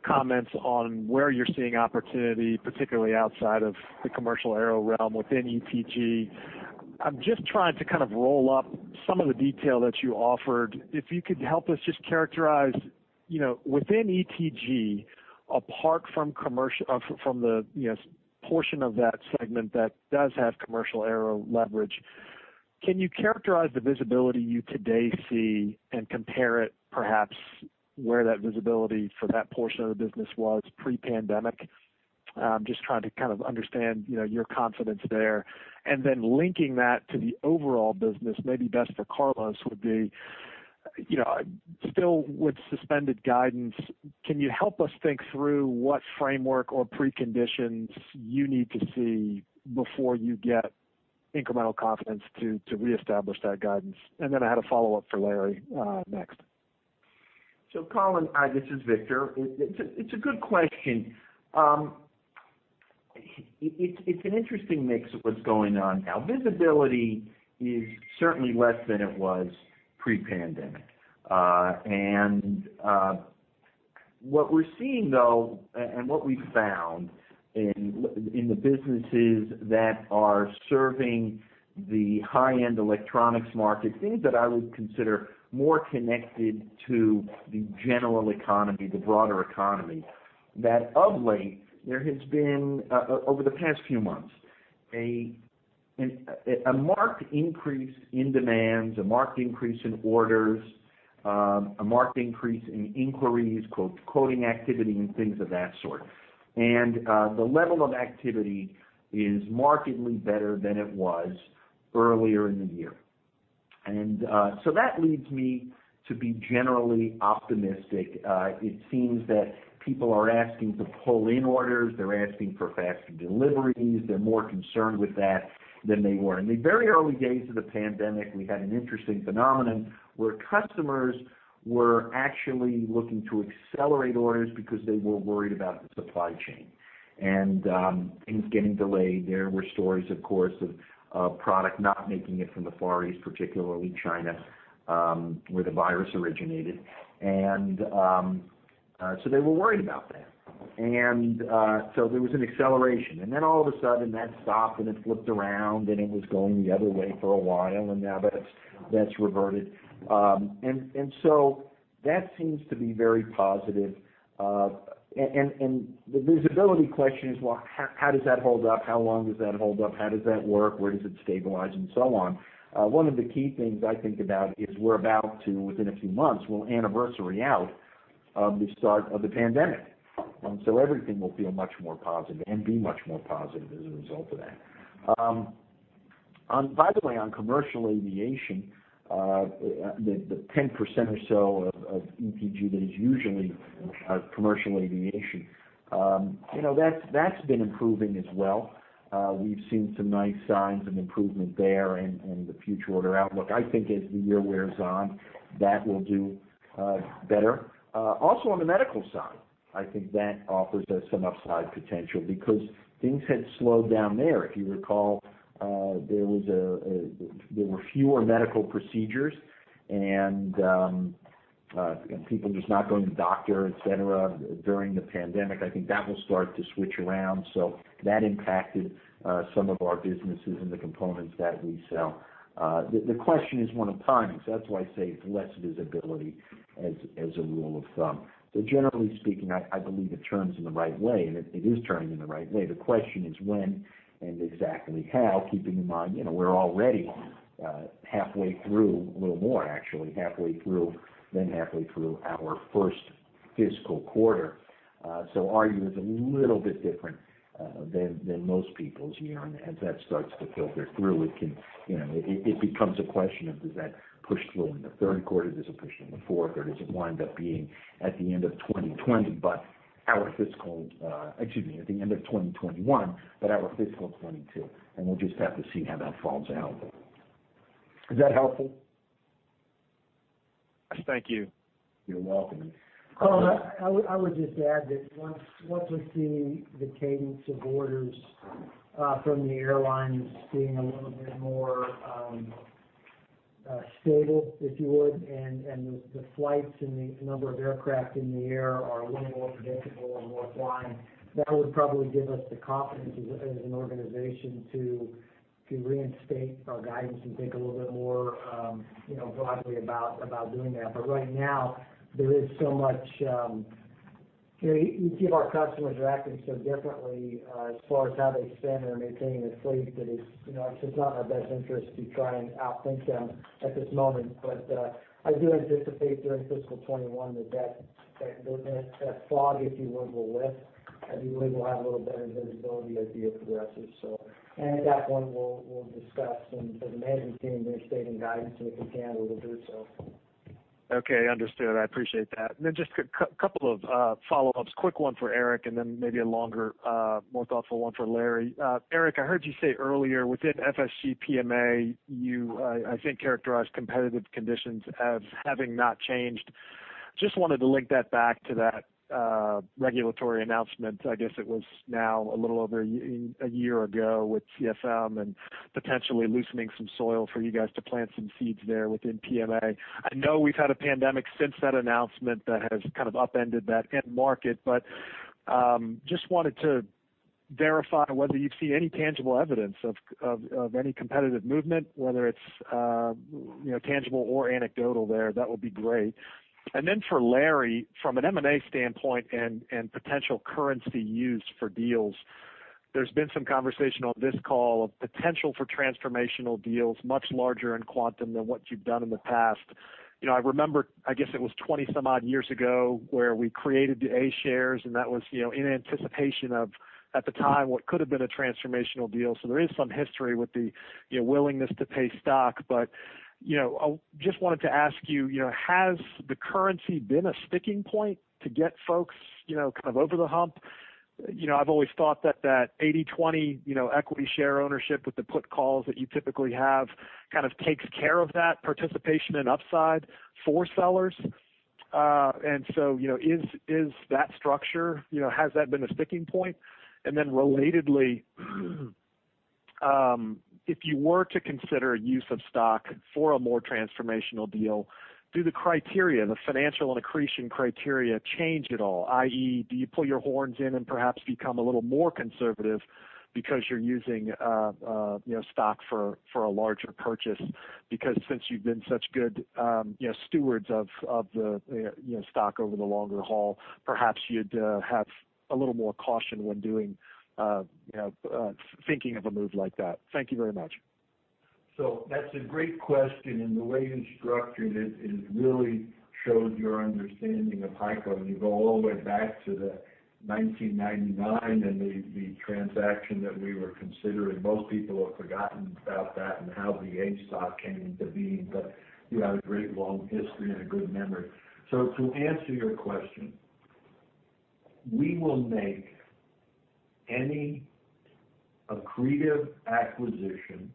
comments on where you're seeing opportunity, particularly outside of the commercial aero realm within ETG. I'm just trying to kind of roll up some of the detail that you offered. If you could help us just characterize within ETG, apart from the portion of that segment that does have commercial aero leverage, can you characterize the visibility you today see and compare it perhaps where that visibility for that portion of the business was pre-pandemic? I'm just trying to kind of understand your confidence there. Linking that to the overall business, maybe best for Carlos would be, still with suspended guidance, can you help us think through what framework or preconditions you need to see before you get incremental confidence to reestablish that guidance? I had a follow-up for Larry, next. Colin, hi, this is Victor. It's a good question. It's an interesting mix of what's going on now. Visibility is certainly less than it was pre-pandemic. What we're seeing though, and what we've found in the businesses that are serving the high-end electronics market, things that I would consider more connected to the general economy, the broader economy, that of late there has been, over the past few months, a marked increase in demands, a marked increase in orders, a marked increase in inquiries, quoting activity, and things of that sort. The level of activity is markedly better than it was earlier in the year. That leads me to be generally optimistic. It seems that people are asking to pull in orders. They're asking for faster deliveries. They're more concerned with that than they were. In the very early days of the pandemic, we had an interesting phenomenon where customers were actually looking to accelerate orders because they were worried about the supply chain and things getting delayed. There were stories, of course, of product not making it from the Far East, particularly China, where the virus originated. They were worried about that. There was an acceleration, and then all of a sudden that stopped, and it flipped around, and it was going the other way for a while, and now that's reverted. That seems to be very positive. The visibility question is, well, how does that hold up? How long does that hold up? How does that work? Where does it stabilize and so on? One of the key things I think about is we're about to, within a few months, we'll anniversary out the start of the pandemic. Everything will feel much more positive and be much more positive as a result of that. By the way, on commercial aviation, the 10% or so of ETG that is usually commercial aviation. That's been improving as well. We've seen some nice signs of improvement there in the future order outlook. I think as the year wears on, that will do better. Also on the medical side, I think that offers us some upside potential because things had slowed down there. If you recall, there were fewer medical procedures, and people just not going to the doctor, et cetera, during the pandemic. I think that will start to switch around. That impacted some of our businesses and the components that we sell. The question is one of timings. That's why I say it's less visibility as a rule of thumb. Generally speaking, I believe it turns in the right way, and it is turning in the right way. The question is when and exactly how, keeping in mind we're already halfway through, a little more actually, more than halfway through our first fiscal quarter. Our view is a little bit different than most people's here, and as that starts to filter through, it becomes a question of does that push through in the third quarter? Does it push in the fourth? Does it wind up being at the end of 2020? Excuse me, at the end of 2021, but our fiscal 2022, and we'll just have to see how that falls out. Is that helpful? Thank you. You're welcome. I would just add that once we're seeing the cadence of orders from the airlines being a little bit more stable, if you would, and the flights and the number of aircraft in the air are a little more predictable and more flying, that would probably give us the confidence as an organization to reinstate our guidance and think a little bit more broadly about doing that. Right now, there is so much Each of our customers are acting so differently as far as how they spend and are maintaining their fleet that it's just not in our best interest to try and outthink them at this moment. I do anticipate during fiscal 2021 that that fog, if you would, will lift. I believe we'll have a little better visibility as the year progresses. At that point, we'll discuss, and the management team reinstating guidance, and if we can, we will do so. Okay, understood. I appreciate that. Just a couple of follow-ups. Quick one for Eric, and then maybe a longer, more thoughtful one for Larry. Eric, I heard you say earlier within FSG PMA, you, I think, characterized competitive conditions as having not changed. Just wanted to link that back to that regulatory announcement, I guess it was now a little over a year ago with CFM and potentially loosening some soil for you guys to plant some seeds there within PMA. I know we've had a pandemic since that announcement that has kind of upended that end market, but just wanted to verify whether you've seen any tangible evidence of any competitive movement, whether it's tangible or anecdotal there. That would be great. Then for Larry, from an M&A standpoint and potential currency use for deals, there's been some conversation on this call of potential for transformational deals, much larger in quantum than what you've done in the past. I remember, I guess it was 20 some odd years ago, where we created the A shares, and that was in anticipation of, at the time, what could have been a transformational deal. There is some history with the willingness to pay stock. I just wanted to ask you, has the currency been a sticking point to get folks over the hump? I've always thought that that 80/20 equity share ownership with the put calls that you typically have kind of takes care of that participation and upside for sellers. Is that structure, has that been a sticking point? Then relatedly, if you were to consider use of stock for a more transformational deal, do the criteria, the financial accretion criteria change at all, i.e., do you pull your horns in and perhaps become a little more conservative because you're using stock for a larger purchase? Since you've been such good stewards of the stock over the longer haul, perhaps you'd have a little more caution when thinking of a move like that. Thank you very much. That's a great question, and the way you structured it really shows your understanding of HEICO when you go all the way back to 1999 and the transaction that we were considering. Most people have forgotten about that and how the A stock came into being, but you have a great long history and a good memory. To answer your question, we will make any accretive acquisition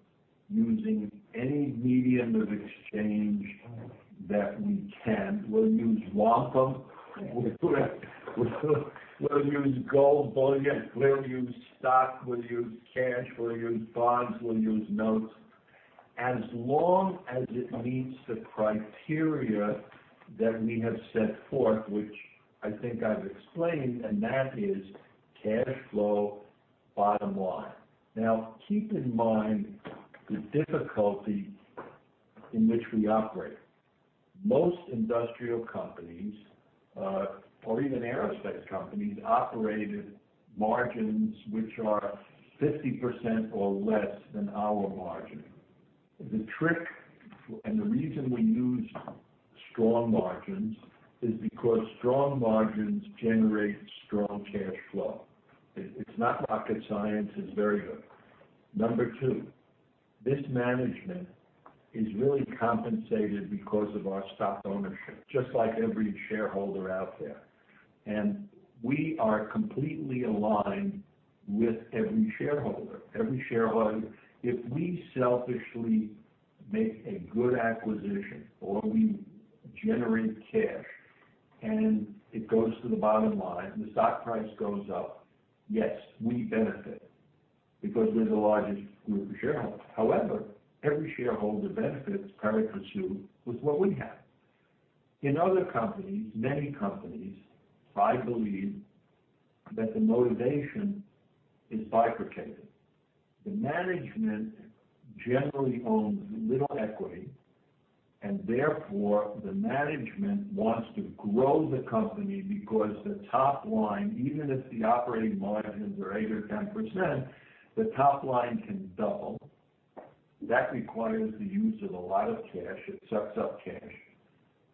using any medium of exchange that we can. We'll use wampum. We'll use gold bullion. We'll use stock. We'll use cash. We'll use bonds. We'll use notes. As long as it meets the criteria that we have set forth, which I think I've explained, and that is cash flow, bottom line. Now, keep in mind the difficulty in which we operate. Most industrial companies, or even aerospace companies, operate at margins which are 50% or less than our margin. The trick, and the reason we use strong margins, is because strong margins generate strong cash flow. It's not rocket science. It's very good. Number two, this management is really compensated because of our stock ownership, just like every shareholder out there. We are completely aligned with every shareholder. If we selfishly make a good acquisition or we generate cash and it goes to the bottom line, the stock price goes up. Yes, we benefit because we're the largest group of shareholders. However, every shareholder benefits pro rata too, with what we have. In other companies, many companies, I believe that the motivation is bifurcated. The management generally owns little equity, and therefore, the management wants to grow the company because the top line, even if the operating margins are eight or 10%, the top line can double. That requires the use of a lot of cash. It sucks up cash.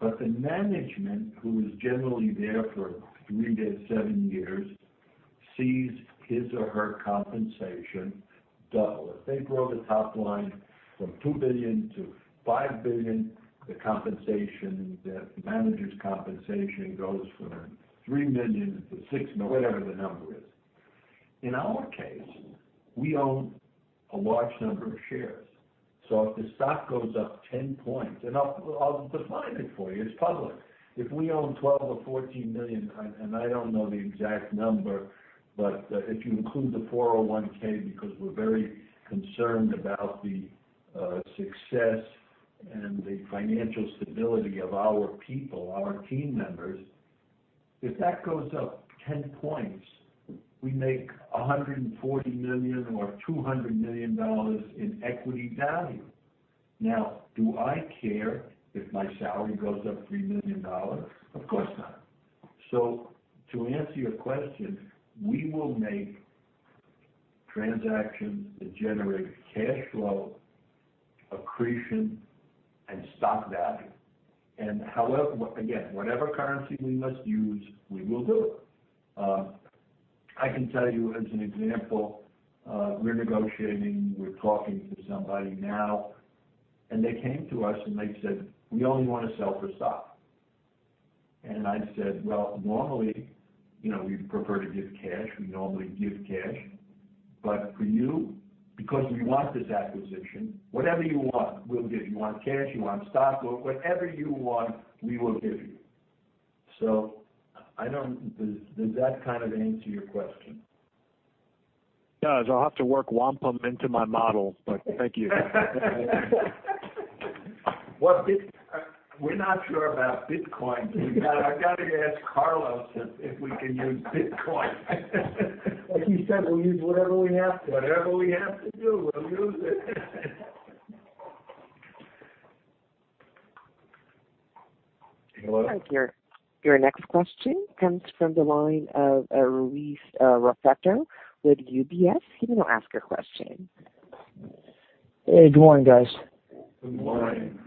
The management, who is generally there for three to seven years, sees his or her compensation double. If they grow the top line from $2 billion to $5 billion, the manager's compensation goes from $3 million to $6 whatever the number is. In our case, we own a large number of shares. If the stock goes up 10 points, and I'll define it for you, it's public. If we own $12 million or $14 million, and I don't know the exact number, but if you include the 401(k), because we're very concerned about the success and the financial stability of our people, our team members. If that goes up 10 points, we make $140 million or $200 million in equity value. Now, do I care if my salary goes up $3 million? Of course not. To answer your question, we will make transactions that generate cash flow, accretion, and stock value. Again, whatever currency we must use, we will do it. I can tell you as an example, we're negotiating, we're talking to somebody now, and they came to us and they said, "We only want to sell for stock." I said, "Well, normally, we'd prefer to give cash. We normally give cash. For you, because we want this acquisition, whatever you want, we'll give. You want cash, you want stock, or whatever you want, we will give you." Does that kind of answer your question? It does. I'll have to work wampum into my model, but thank you. We're not sure about Bitcoin. I've got to ask Carlos if we can use Bitcoin. Like you said, we'll use whatever we have to. Whatever we have to do, we'll use it. Your next question comes from the line of Louis Raffetto with UBS. You can now ask your question. Hey, good morning, guys. Good morning.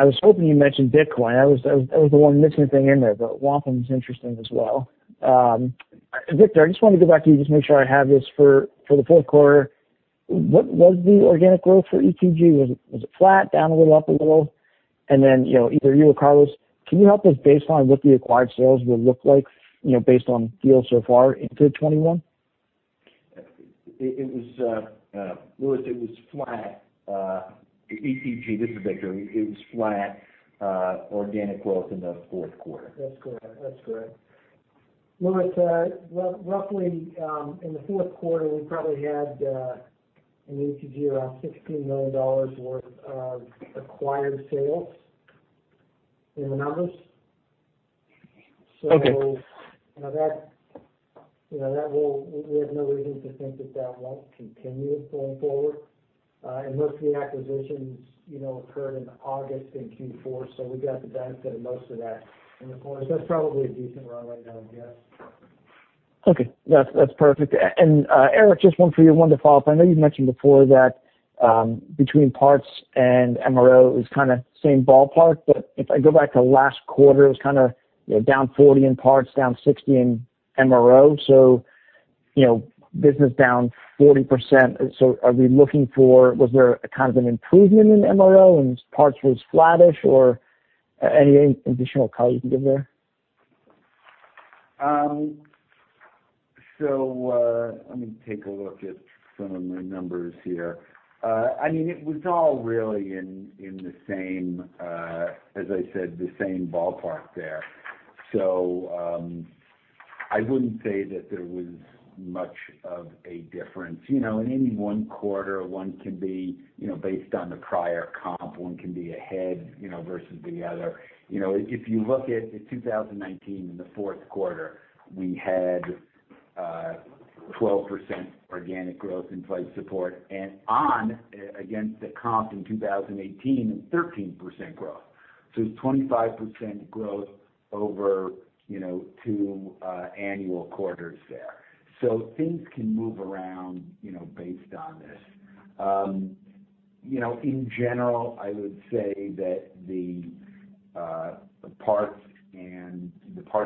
I was hoping you mentioned Bitcoin. I was the one missing a thing in there, but wampum is interesting as well. Victor, I just want to go back to you just make sure I have this for the fourth quarter. What was the organic growth for ETG? Was it flat, down a little, up a little? Either you or Carlos, can you help us baseline what the acquired sales will look like based on deals so far into 2021? Louis, it was flat. ETG, this is Victor. It was flat organic growth in the fourth quarter. That's correct. Louis, roughly, in the fourth quarter, we probably had in ETG around $16 million worth of acquired sales in the numbers. Okay. We have no reason to think that won't continue going forward. Most of the acquisitions occurred in August in Q4, so we got the benefit of most of that in the quarter. That's probably a decent run rate, I would guess. Okay. That's perfect. Eric, just one for you, one to follow up. I know you've mentioned before that between parts and MRO is kind of same ballpark, but if I go back to last quarter, it was kind of down 40 in parts, down 60 in MRO. Business down 40%. Are we looking for, was there a kind of an improvement in MRO and parts was flattish, or any additional color you can give there? Let me take a look at some of my numbers here. It was all really, as I said, the same ballpark there. I wouldn't say that there was much of a difference. In any one quarter, based on the prior comp, one can be ahead versus the other. If you look at 2019, in the fourth quarter, we had 12% organic growth in Flight Support, and against the comp in 2018, 13% growth. It's 25% growth over two annual quarters there. Things can move around based on this. In general, I would say that the parts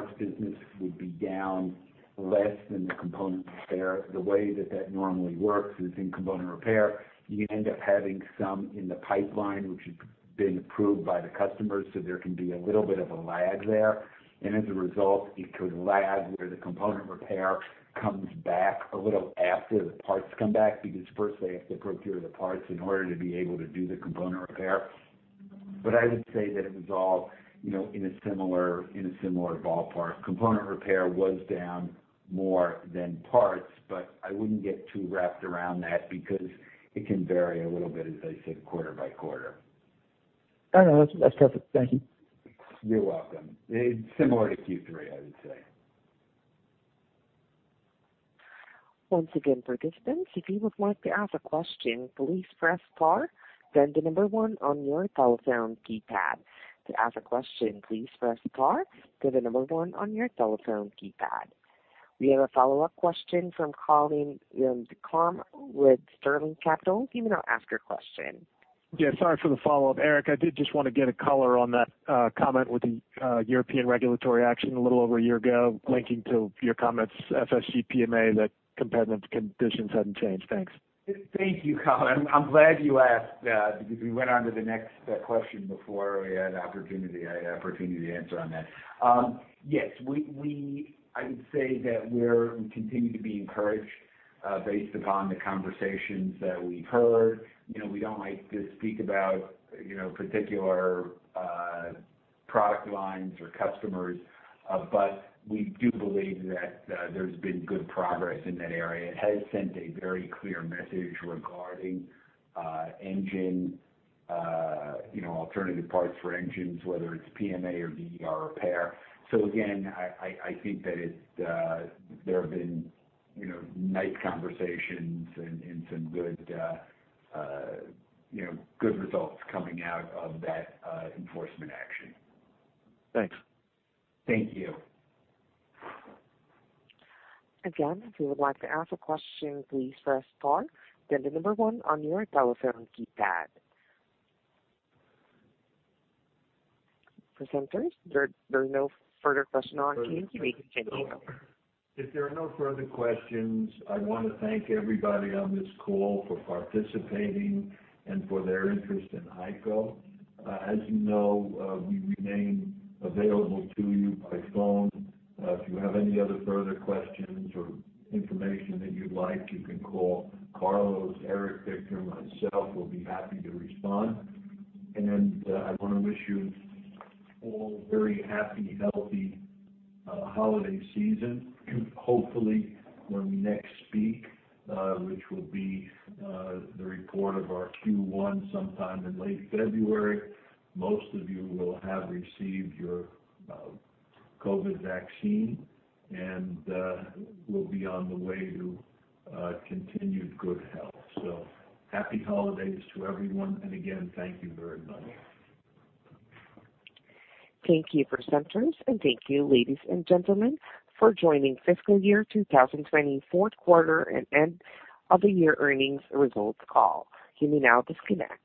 business would be down less than the component repair. The way that that normally works is in component repair, you end up having some in the pipeline which has been approved by the customers, so there can be a little bit of a lag there. As a result, it could lag where the component repair comes back a little after the parts come back, because first they have to procure the parts in order to be able to do the component repair. I would say that it was all in a similar ballpark. Component repair was down more than parts, but I wouldn't get too wrapped around that because it can vary a little bit, as I said, quarter by quarter. No, that's perfect. Thank you. You're welcome. It's similar to Q3, I would say. We have a follow-up question from Colin Ducharme with Sterling Capital. You may now ask your question. Yeah, sorry for the follow-up, Eric. I did just want to get a color on that comment with the European regulatory action a little over a year ago, linking to your comments, FSG PMA, that competitive conditions hadn't changed. Thanks. Thank you, Colin. I'm glad you asked that because we went on to the next question before we had an opportunity to answer on that. Yes. I would say that we continue to be encouraged based upon the conversations that we've heard. We don't like to speak about particular product lines or customers, but we do believe that there's been good progress in that area. It has sent a very clear message regarding alternative parts for engines, whether it's PMA or DER repair. Again, I think that there have been nice conversations and some good results coming out of that enforcement action. Thanks. Thank you. Again, if you would like to ask a question, please press star, then the number one on your telephone keypad. Presenters, there are no further questions on queue. You may continue. If there are no further questions, I want to thank everybody on this call for participating and for their interest in HEICO. As you know, we remain available to you by phone. If you have any other further questions or information that you'd like, you can call Carlos, Eric, Victor, myself, we'll be happy to respond. I want to wish you all a very happy, healthy holiday season. Hopefully when we next speak, which will be the report of our Q1 sometime in late February, most of you will have received your COVID vaccine and will be on the way to continued good health. Happy holidays to everyone, and again, thank you very much. Thank you, presenters, and thank you, ladies and gentlemen, for joining fiscal year 2020 fourth quarter and end of the year earnings results call. You may now disconnect.